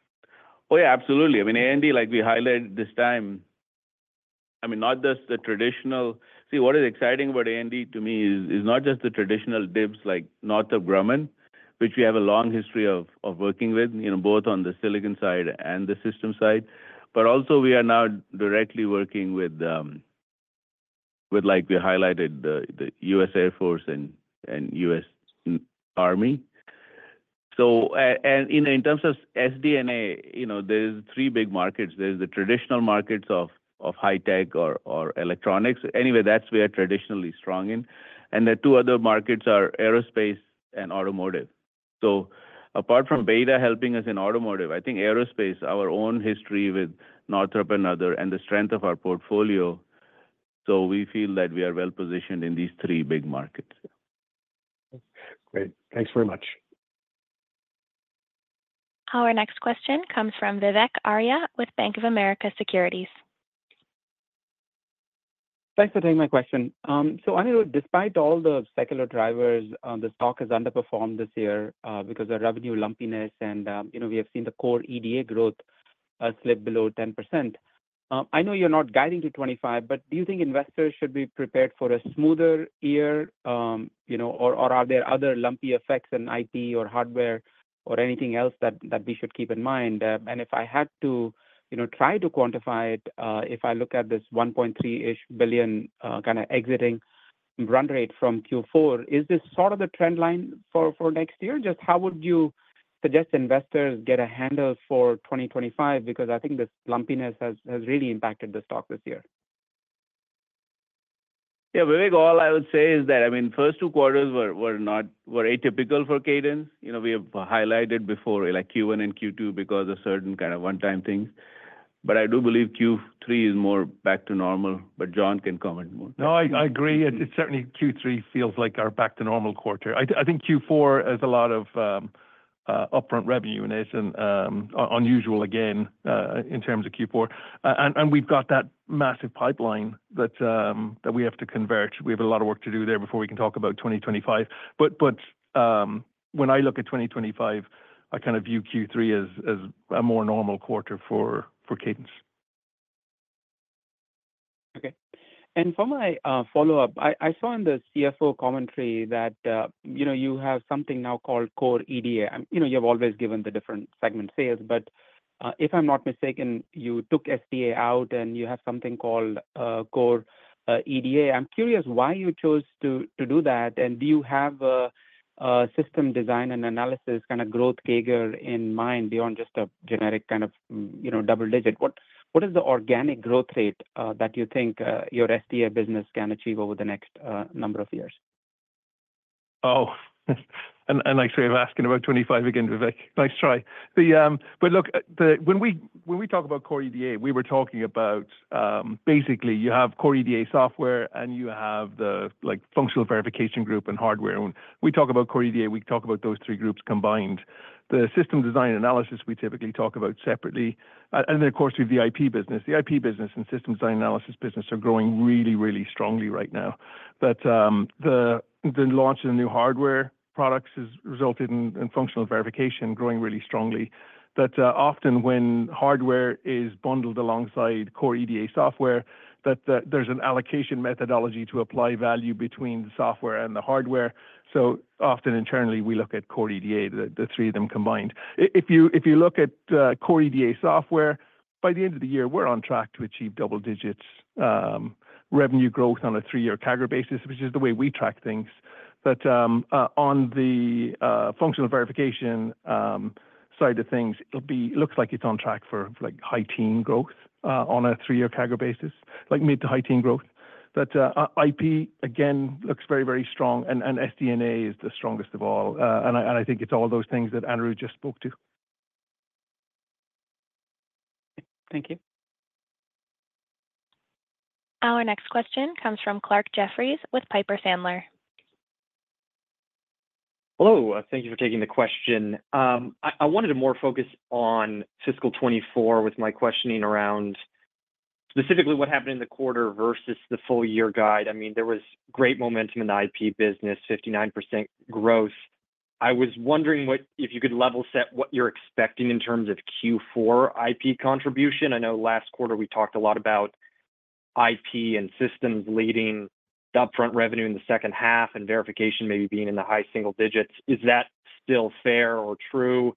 Oh, yeah, absolutely. I mean, A&D, like we highlighted this time, I mean, not just the traditional. See, what is exciting about A&D to me is not just the traditional DIBs, like Northrop Grumman, which we have a long history of working with, you know, both on the silicon side and the system side, but also we are now directly working with, like, we highlighted the U.S. Air Force and U.S. Army. So, and, you know, in terms of SD&A, you know, there's three big markets. There's the traditional markets of high tech or electronics. Anyway, that's where we're traditionally strong in. And the two other markets are aerospace and automotive. So, apart from BETA helping us in automotive, I think aerospace, our own history with Northrop and other, and the strength of our portfolio, so we feel that we are well positioned in these three big markets. Great. Thanks very much. Our next question comes from Vivek Arya with Bank of America Securities. Thanks for taking my question. So Anirudh, despite all the secular drivers, the stock has underperformed this year, because of revenue lumpiness and, you know, we have seen the core EDA growth, slip below 10%. I know you're not guiding to 25%, but do you think investors should be prepared for a smoother year, you know, or are there other lumpy effects in IP or hardware or anything else that we should keep in mind? And if I had to, you know, try to quantify it, if I look at this $1.3-ish billion, kinda exiting run rate from Q4, is this sort of the trend line for next year? Just how would you suggest investors get a handle for 2025? Because I think this lumpiness has really impacted the stock this year. Yeah, Vivek, all I would say is that, I mean, first two quarters were not atypical for Cadence. You know, we have highlighted before, like Q1 and Q2 because of certain kind of one-time things. But I do believe Q3 is more back to normal, but John can comment more. No, I agree. It's certainly Q3 feels like our back to normal quarter. I think Q4 has a lot of upfront revenue in it and unusual again in terms of Q4. And we've got that massive pipeline that we have to convert. We have a lot of work to do there before we can talk about 2025. But when I look at 2025, I kind of view Q3 as a more normal quarter for Cadence. Okay. And for my follow-up, I saw in the CFO commentary that, you know, you have something now called core EDA. And, you know, you have always given the different segment sales, but, if I'm not mistaken, you took SD&A out, and you have something called core EDA. I'm curious why you chose to do that, and do you have a system design and analysis kind of growth CAGR in mind beyond just a generic kind of, you know, double digit? What is the organic growth rate that you think your SD&A business can achieve over the next number of years? Oh, and like sort of asking about 25 again, Vivek. Nice try. The, but look, the when we, when we talk about core EDA, we were talking about, basically you have core EDA software, and you have the, like, functional verification group and hardware. When we talk about core EDA, we talk about those three groups combined. The system design analysis, we typically talk about separately, and then, of course, we have the IP business. The IP business and system design analysis business are growing really, really strongly right now. But, the launch of the new hardware products has resulted in, in functional verification growing really strongly. But, often when hardware is bundled alongside core EDA software, that there's an allocation methodology to apply value between the software and the hardware. So often internally, we look at core EDA, the three of them combined. If you look at core EDA software, by the end of the year, we're on track to achieve double digits revenue growth on a three-year CAGR basis, which is the way we track things. But on the functional verification side of things, it'll be looks like it's on track for, like, high teen growth on a three-year CAGR basis, like mid to high teen growth. But IP, again, looks very, very strong, and SD&A is the strongest of all. And I think it's all those things that Anirudh just spoke to.... Thank you. Our next question comes from Clarke Jeffries with Piper Sandler. Hello. Thank you for taking the question. I wanted to more focus on fiscal 2024 with my questioning around specifically what happened in the quarter versus the full year guide. I mean, there was great momentum in the IP business, 59% growth. I was wondering what if you could level set what you're expecting in terms of Q4 IP contribution. I know last quarter we talked a lot about IP and systems leading the upfront revenue in the second half, and verification maybe being in the high single digits. Is that still fair or true?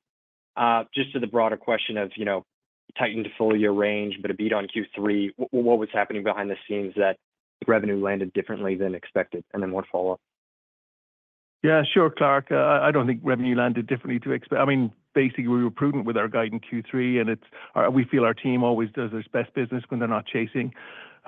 Just to the broader question of, you know, tightened full year range, but a beat on Q3, what was happening behind the scenes that revenue landed differently than expected? And then one follow-up. Yeah, sure, Clarke. I don't think revenue landed differently to expect. I mean, basically, we were prudent with our guide in Q3, and it's we feel our team always does their best business when they're not chasing.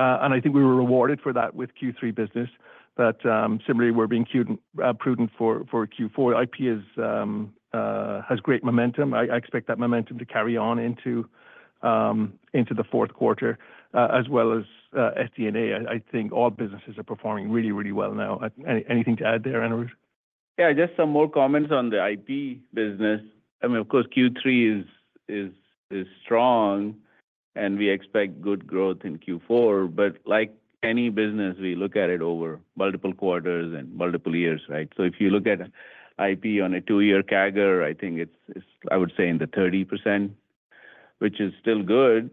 And I think we were rewarded for that with Q3 business. But, similarly, we're being prudent for Q4. IP has great momentum. I expect that momentum to carry on into the fourth quarter, as well as SD&A. I think all businesses are performing really, really well now. Anything to add there, Anirudh? Yeah, just some more comments on the IP business. I mean, of course, Q3 is strong, and we expect good growth in Q4, but like any business, we look at it over multiple quarters and multiple years, right? So if you look at IP on a two-year CAGR, I think it's I would say in the 30%, which is still good.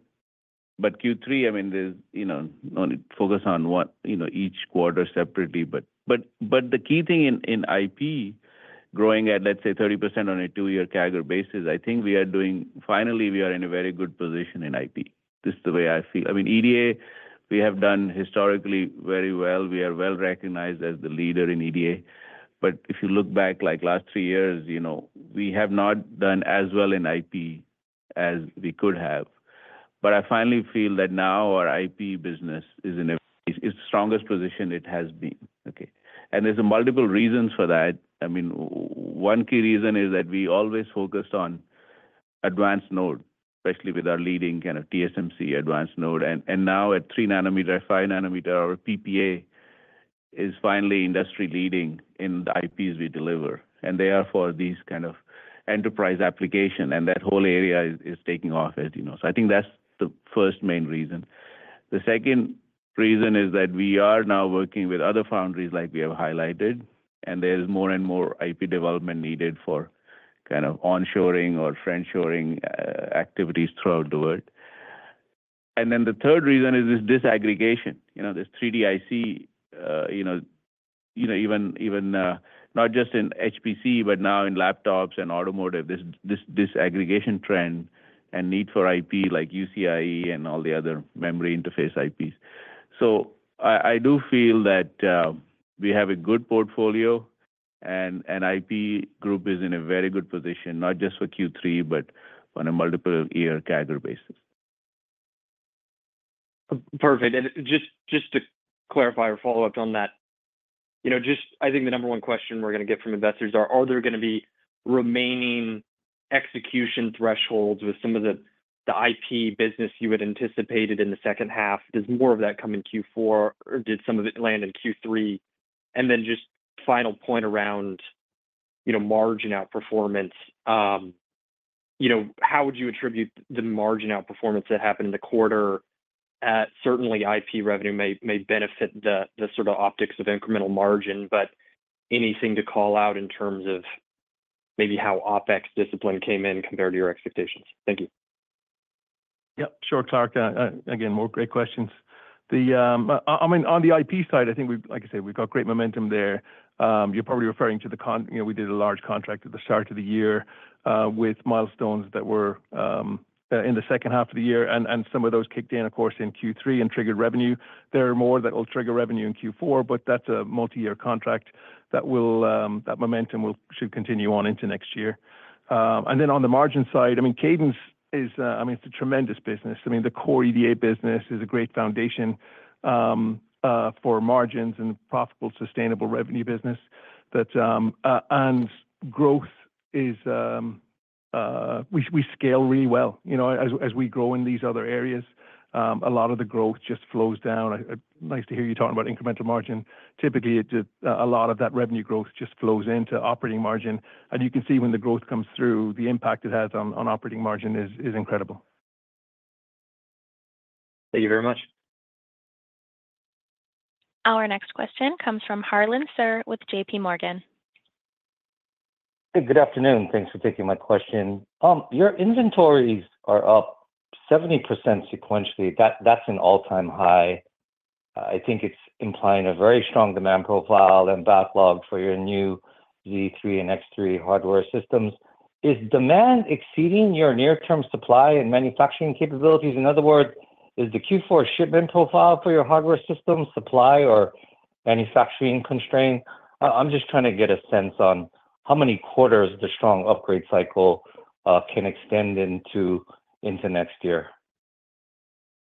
But Q3, I mean, there's you know only focus on what you know each quarter separately. But the key thing in IP growing at let's say 30% on a two-year CAGR basis, I think we are doing. Finally, we are in a very good position in IP. This is the way I feel. I mean, EDA, we have done historically very well. We are well-recognized as the leader in EDA. But if you look back, like, last three years, you know, we have not done as well in IP as we could have. But I finally feel that now our IP business is the strongest position it has been, okay? And there's multiple reasons for that. I mean, one key reason is that we always focused on advanced node, especially with our leading kind of TSMC advanced node. And now at three nanometer, five nanometer, our PPA is finally industry-leading in the IPs we deliver, and they are for these kind of enterprise application, and that whole area is taking off, as you know. So I think that's the first main reason. The second reason is that we are now working with other foundries like we have highlighted, and there's more and more IP development needed for kind of onshoring or friendshoring activities throughout the world. And then the third reason is this disaggregation. You know, this 3D IC, you know, even, not just in HPC, but now in laptops and automotive, this disaggregation trend and need for IP like UCIe and all the other memory interface IPs. So I do feel that, we have a good portfolio and IP group is in a very good position, not just for Q3, but on a multiple year CAGR basis. Perfect. And just to clarify or follow up on that, you know, just I think the number one question we're gonna get from investors are, are there gonna be remaining execution thresholds with some of the IP business you had anticipated in the second half? Does more of that come in Q4, or did some of it land in Q3? And then just final point around, you know, margin outperformance. You know, how would you attribute the margin outperformance that happened in the quarter? Certainly, IP revenue may benefit the sort of optics of incremental margin, but anything to call out in terms of maybe how OpEx discipline came in compared to your expectations? Thank you. Yep, sure, Clarke. Again, more great questions. On the IP side, I think we've, like I said, we've got great momentum there. You're probably referring to the contract. You know, we did a large contract at the start of the year with milestones that were in the second half of the year, and some of those kicked in, of course, in Q3 and triggered revenue. There are more that will trigger revenue in Q4, but that's a multi-year contract that will, that momentum will should continue on into next year. And then on the margin side, I mean, Cadence is, I mean, it's a tremendous business. I mean, the core EDA business is a great foundation for margins and profitable, sustainable revenue business. That and growth is, we scale really well. You know, as we grow in these other areas, a lot of the growth just flows down. Nice to hear you talking about incremental margin. Typically, it just, a lot of that revenue growth just flows into operating margin, and you can see when the growth comes through, the impact it has on operating margin is incredible. Thank you very much. Our next question comes from Harlan Sur with JPMorgan. Hey, good afternoon. Thanks for taking my question. Your inventories are up 70% sequentially. That's an all-time high. I think it's implying a very strong demand profile and backlog for your new Z3 and X3 hardware systems. Is demand exceeding your near-term supply and manufacturing capabilities? In other words, is the Q4 shipment profile for your hardware system supply or manufacturing constraint? I'm just trying to get a sense on how many quarters the strong upgrade cycle can extend into next year.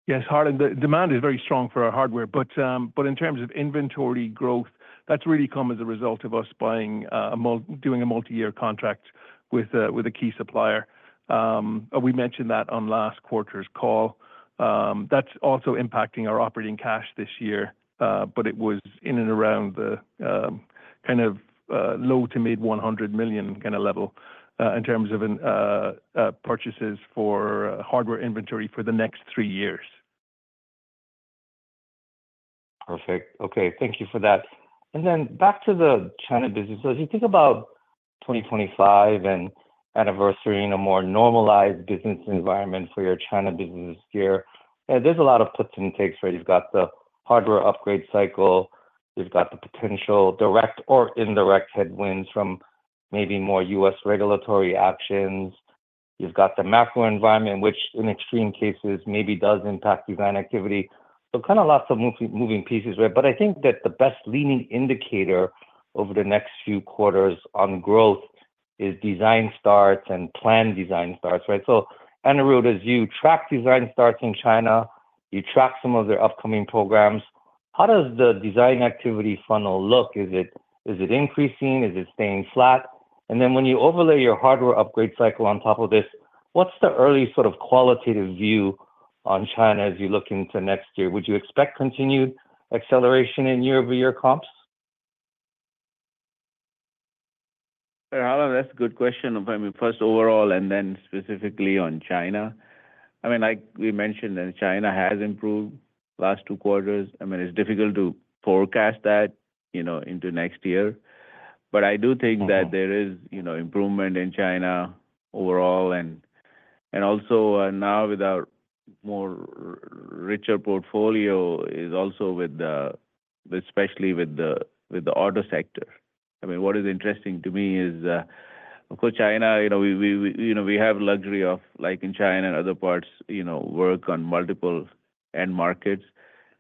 Yes, Harlan, the demand is very strong for our hardware, but in terms of inventory growth, that's really come as a result of us buying a multi-year contract with a key supplier. We mentioned that on last quarter's call. That's also impacting our operating cash this year, but it was in and around the kind of low- to mid-$100 million kind of level in terms of purchases for hardware inventory for the next three years. Perfect. Okay, thank you for that. And then back to the China business. So if you think about 2025 and a new era in a more normalized business environment for your China business here, there's a lot of puts and takes, right? You've got the hardware upgrade cycle, you've got the potential direct or indirect headwinds from maybe more U.S. regulatory actions. You've got the macro environment, which in extreme cases, maybe does impact design activity. So kind of lots of moving pieces, right? But I think that the best leading indicator over the next few quarters on growth is design starts and planned design starts, right? So, Anirudh, as you track design starts in China, you track some of their upcoming programs, how does the design activity funnel look? Is it increasing? Is it staying flat? When you overlay your hardware upgrade cycle on top of this, what's the early sort of qualitative view on China as you look into next year? Would you expect continued acceleration in year-over-year comps? Well, Harlan, that's a good question. I mean, first overall, and then specifically on China. I mean, like we mentioned, that China has improved last two quarters. I mean, it's difficult to forecast that, you know, into next year. But I do think that there is, you know, improvement in China overall, and, and also now with our more richer portfolio is also with the, especially with the, with the auto sector. I mean, what is interesting to me is, of course, China, you know, we, we, you know, we have luxury of, like in China and other parts, you know, work on multiple end markets,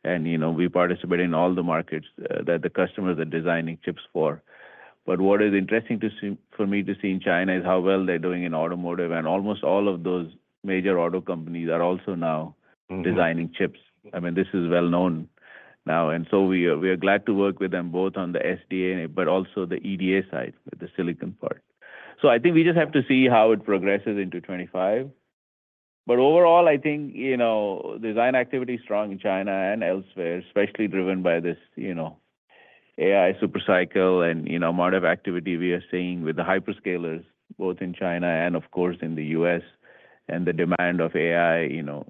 and, you know, we participate in all the markets that the customers are designing chips for. But what is interesting for me to see in China is how well they're doing in automotive, and almost all of those major auto companies are also now. Mm-hmm Designing chips. I mean, this is well known now, and so we are, we are glad to work with them both on the SD&A, but also the EDA side, with the silicon part. So I think we just have to see how it progresses into twenty-five. But overall, I think, you know, design activity is strong in China and elsewhere, especially driven by this, you know, AI super cycle and, you know, amount of activity we are seeing with the hyperscalers, both in China and, of course, in the US, and the demand of AI, you know,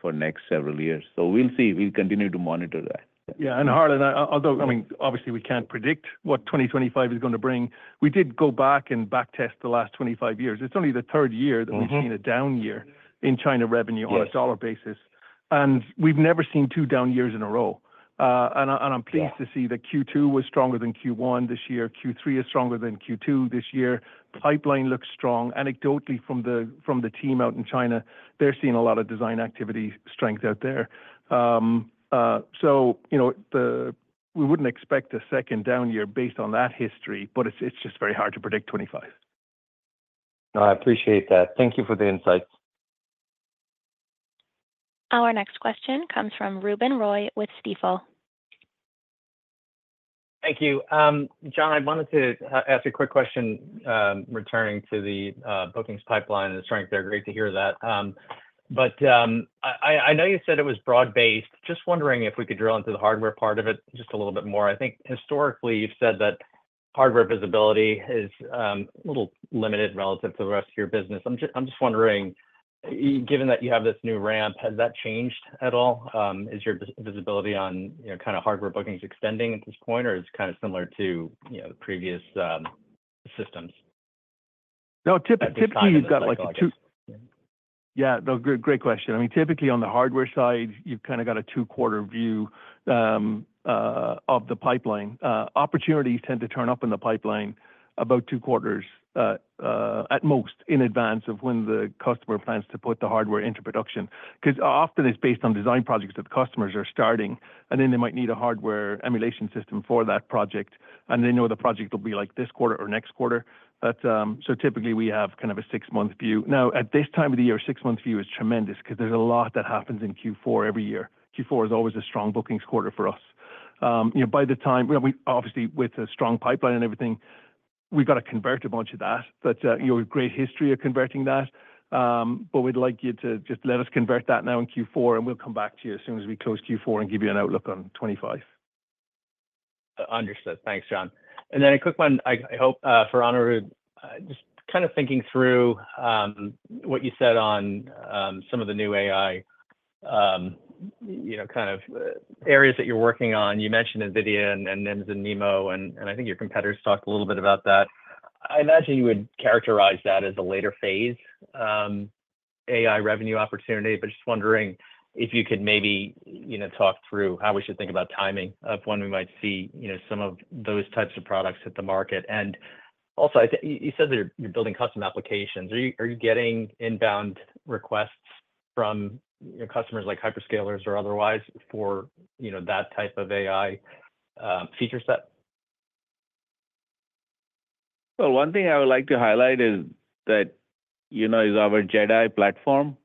for next several years. So we'll see. We'll continue to monitor that. Yeah, and Harlan, although, I mean, obviously, we can't predict what 2025 is going to bring. We did go back and backtest the last 25 years. It's only the third year- Mm-hmm That we've seen a down year in China revenue- Yes On a dollar basis, and we've never seen two down years in a row. And I'm pleased- Yeah To see that Q2 was stronger than Q1 this year. Q3 is stronger than Q2 this year. Pipeline looks strong. Anecdotally, from the team out in China, they're seeing a lot of design activity strength out there. So, you know, we wouldn't expect a second down year based on that history, but it's just very hard to predict 2025. No, I appreciate that. Thank you for the insights. Our next question comes from Ruben Roy with Stifel. Thank you. John, I wanted to ask a quick question, returning to the bookings pipeline and the strength there. Great to hear that, but I know you said it was broad-based. Just wondering if we could drill into the hardware part of it just a little bit more. I think historically, you've said that hardware visibility is a little limited relative to the rest of your business. I'm just wondering, given that you have this new ramp, has that changed at all? Is your visibility on, you know, kind of hardware bookings extending at this point, or is it kind of similar to, you know, the previous systems? No, typically, you've got, like, a two. Yeah. Yeah, no, great question. I mean, typically on the hardware side, you've kind of got a two-quarter view of the pipeline. Opportunities tend to turn up in the pipeline about two quarters, at most, in advance of when the customer plans to put the hardware into production. 'Cause often it's based on design projects that the customers are starting, and then they might need a hardware emulation system for that project, and they know the project will be, like, this quarter or next quarter. But, so typically we have kind of a six-month view. Now, at this time of the year, a six-month view is tremendous because there's a lot that happens in Q4 every year. Q4 is always a strong bookings quarter for us. You know, by the time, well, obviously, with a strong pipeline and everything, we've got to convert a bunch of that, but we have a great history of converting that. But we'd like you to just let us convert that now in Q4, and we'll come back to you as soon as we close Q4 and give you an outlook on 2025. Understood. Thanks, John. And then a quick one, I hope, for Anirudh. Just kind of thinking through, what you said on, some of the new AI, you know, kind of, areas that you're working on. You mentioned NVIDIA and then the NeMo, and I think your competitors talked a little bit about that. I imagine you would characterize that as a later phase, AI revenue opportunity, but just wondering if you could maybe, you know, talk through how we should think about timing of when we might see, you know, some of those types of products hit the market. And also, you said that you're building custom applications. Are you getting inbound requests from your customers, like hyperscalers or otherwise, for, you know, that type of AI, feature set? One thing I would like to highlight is that, you know, is our JedAI platform.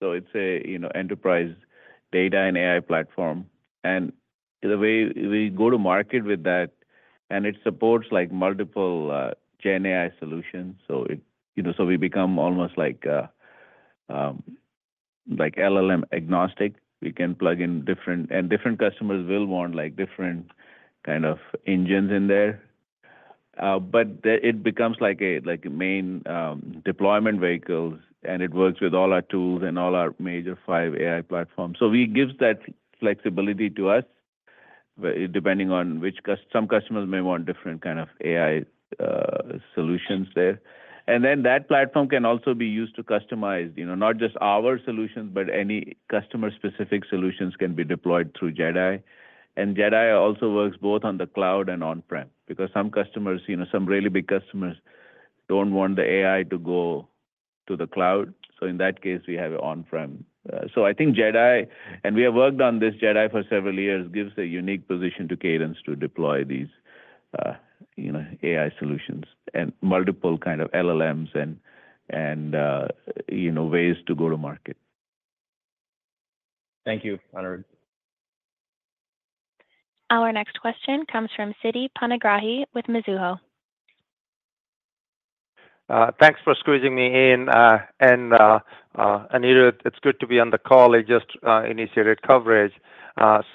So it's a, you know, enterprise data and AI platform, and the way we go to market with that, and it supports, like, multiple, GenAI solutions. So it, you know, so we become almost like, like LLM agnostic. We can plug in different-- and different customers will want, like, different kind of engines in there. But the, it becomes like a, like a main, deployment vehicles, and it works with all our tools and all our major five AI platforms. So we gives that flexibility to us, but depending on which cust-- Some customers may want different kind of AI, solutions there. And then that platform can also be used to customize, you know, not just our solutions, but any customer-specific solutions can be deployed through JedAI. And JedAI also works both on the cloud and on-prem, because some customers, you know, some really big customers don't want the AI to go to the cloud. So in that case, we have it on-prem. I think JedAI, and we have worked on this JedAI for several years, gives a unique position to Cadence to deploy these, you know, AI solutions and multiple kind of LLMs and you know, ways to go to market. Thank you, Anirudh. Our next question comes from Siti Panigrahi with Mizuho. Thanks for squeezing me in, and Anirudh, it's good to be on the call. I just initiated coverage.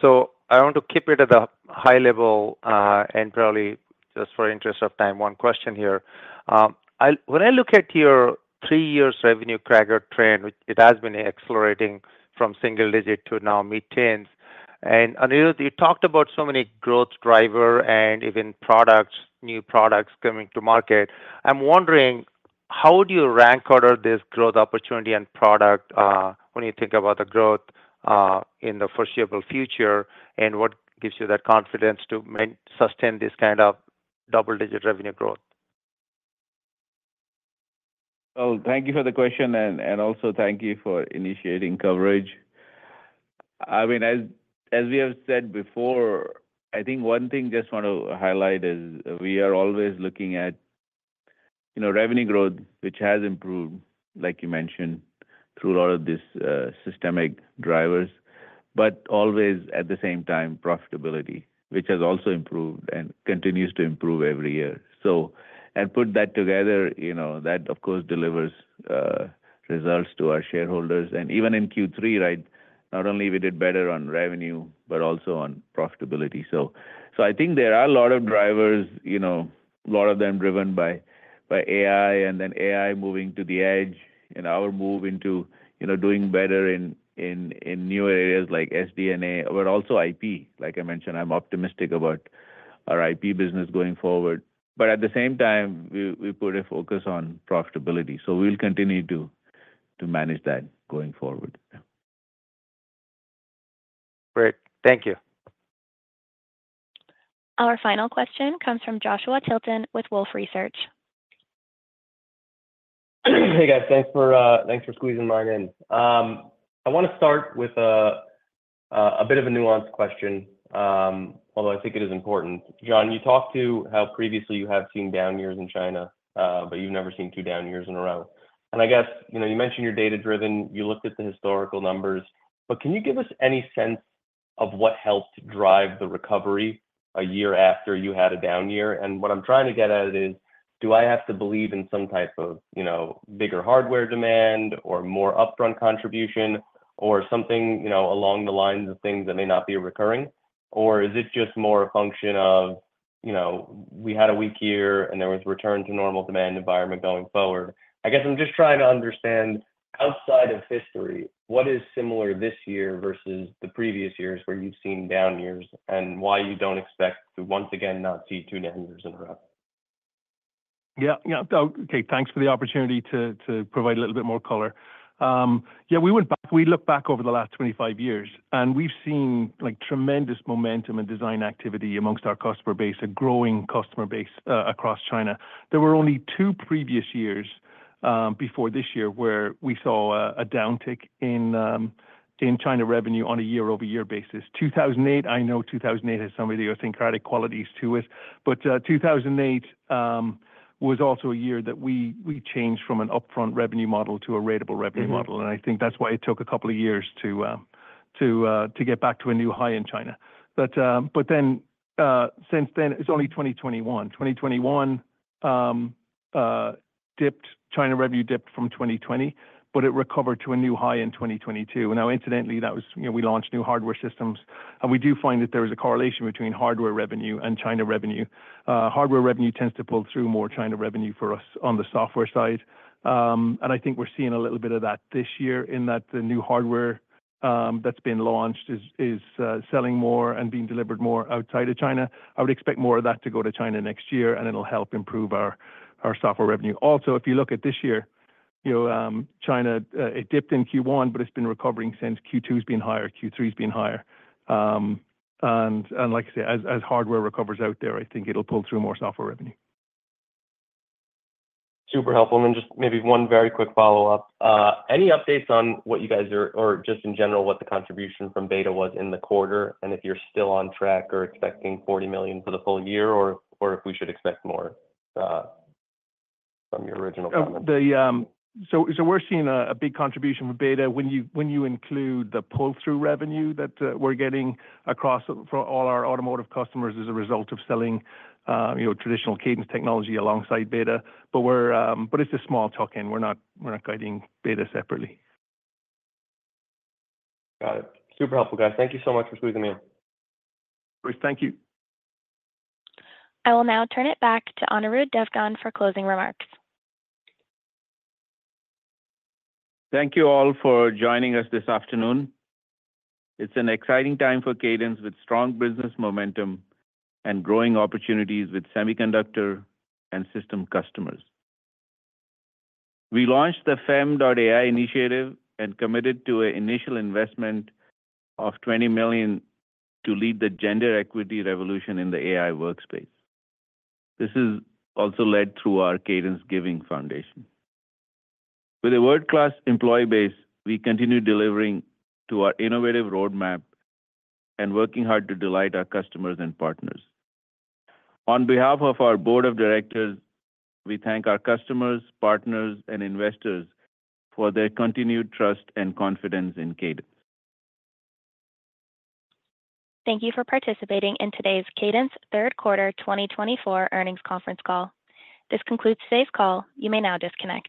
So I want to keep it at a high level, and probably just in the interest of time, one question here. When I look at your three-year revenue CAGR trend, it has been accelerating from single-digit to now mid-teens. And Anirudh, you talked about so many growth drivers and even products, new products coming to market. I'm wondering, how would you rank order this growth opportunity and product when you think about the growth in the foreseeable future, and what gives you that confidence to sustain this kind of double-digit revenue growth? Thank you for the question, and also thank you for initiating coverage. I mean, as we have said before, I think one thing just want to highlight is we are always looking at, you know, revenue growth, which has improved, like you mentioned, through a lot of these systemic drivers, but always at the same time, profitability, which has also improved and continues to improve every year. So, and put that together, you know, that, of course, delivers results to our shareholders. And even in Q3, right, not only we did better on revenue, but also on profitability. So, I think there are a lot of drivers, you know, a lot of them driven by AI, and then AI moving to the edge, and our move into, you know, doing better in new areas like SD&A, but also IP. Like I mentioned, I'm optimistic about our IP business going forward, but at the same time, we put a focus on profitability, so we'll continue to manage that going forward. Great. Thank you. Our final question comes from Joshua Tilton with Wolfe Research. Hey, guys, thanks for squeezing mine in. I want to start with a bit of a nuanced question, although I think it is important. John, you talked to how previously you have seen down years in China, but you've never seen two down years in a row. And I guess, you know, you mentioned you're data-driven, you looked at the historical numbers, but can you give us any sense of what helped drive the recovery a year after you had a down year? And what I'm trying to get at is, do I have to believe in some type of, you know, bigger hardware demand or more upfront contribution or something, you know, along the lines of things that may not be recurring? Or is it just more a function of, you know, we had a weak year, and there was return to normal demand environment going forward? I guess I'm just trying to understand, outside of history, what is similar this year versus the previous years where you've seen down years, and why you don't expect to once again not see two down years in a row. Yeah, yeah. Okay, thanks for the opportunity to provide a little bit more color. Yeah, we went back. We looked back over the last twenty-five years, and we've seen, like, tremendous momentum and design activity amongst our customer base, a growing customer base, across China. There were only two previous years before this year, where we saw a downtick in China revenue on a year-over-year basis. 2008, I know 2008 has some of the idiosyncratic qualities to it, but 2008 was also a year that we changed from an upfront revenue model to a ratable revenue model. Mm-hmm. I think that's why it took a couple of years to get back to a new high in China. But then, since then, it's only 2021. 2021 dipped. China revenue dipped from 2020, but it recovered to a new high in 2022. Now, incidentally, that was, you know, we launched new hardware systems, and we do find that there is a correlation between hardware revenue and China revenue. Hardware revenue tends to pull through more China revenue for us on the software side. I think we're seeing a little bit of that this year in that the new hardware that's been launched is selling more and being delivered more outside of China. I would expect more of that to go to China next year, and it'll help improve our software revenue. Also, if you look at this year, you know, China, it dipped in Q1, but it's been recovering since Q2's been higher, Q3's been higher, and like I said, as hardware recovers out there, I think it'll pull through more software revenue. Super helpful. And then just maybe one very quick follow-up. Any updates on what you guys are... or just in general, what the contribution from BETA was in the quarter, and if you're still on track or expecting $40 million for the full year, or, or if we should expect more, from your original comment? We're seeing a big contribution with BETA when you include the pull-through revenue that we're getting across from all our automotive customers as a result of selling, you know, traditional Cadence technology alongside BETA. But it's a small tuck-in. We're not guiding BETA separately. Got it. Super helpful, guys. Thank you so much for squeezing me in. Great, thank you. I will now turn it back to Anirudh Devgan for closing remarks. Thank you all for joining us this afternoon. It's an exciting time for Cadence, with strong business momentum and growing opportunities with semiconductor and system customers. We launched the Fem.AI initiative and committed to an initial investment of $20 million to lead the gender equity revolution in the AI workspace. This is also led through our Cadence Giving Foundation. With a world-class employee base, we continue delivering to our innovative roadmap and working hard to delight our customers and partners. On behalf of our board of directors, we thank our customers, partners, and investors for their continued trust and confidence in Cadence. Thank you for participating in today's Cadence Third Quarter 2024 Earnings Conference Call. This concludes today's call. You may now disconnect.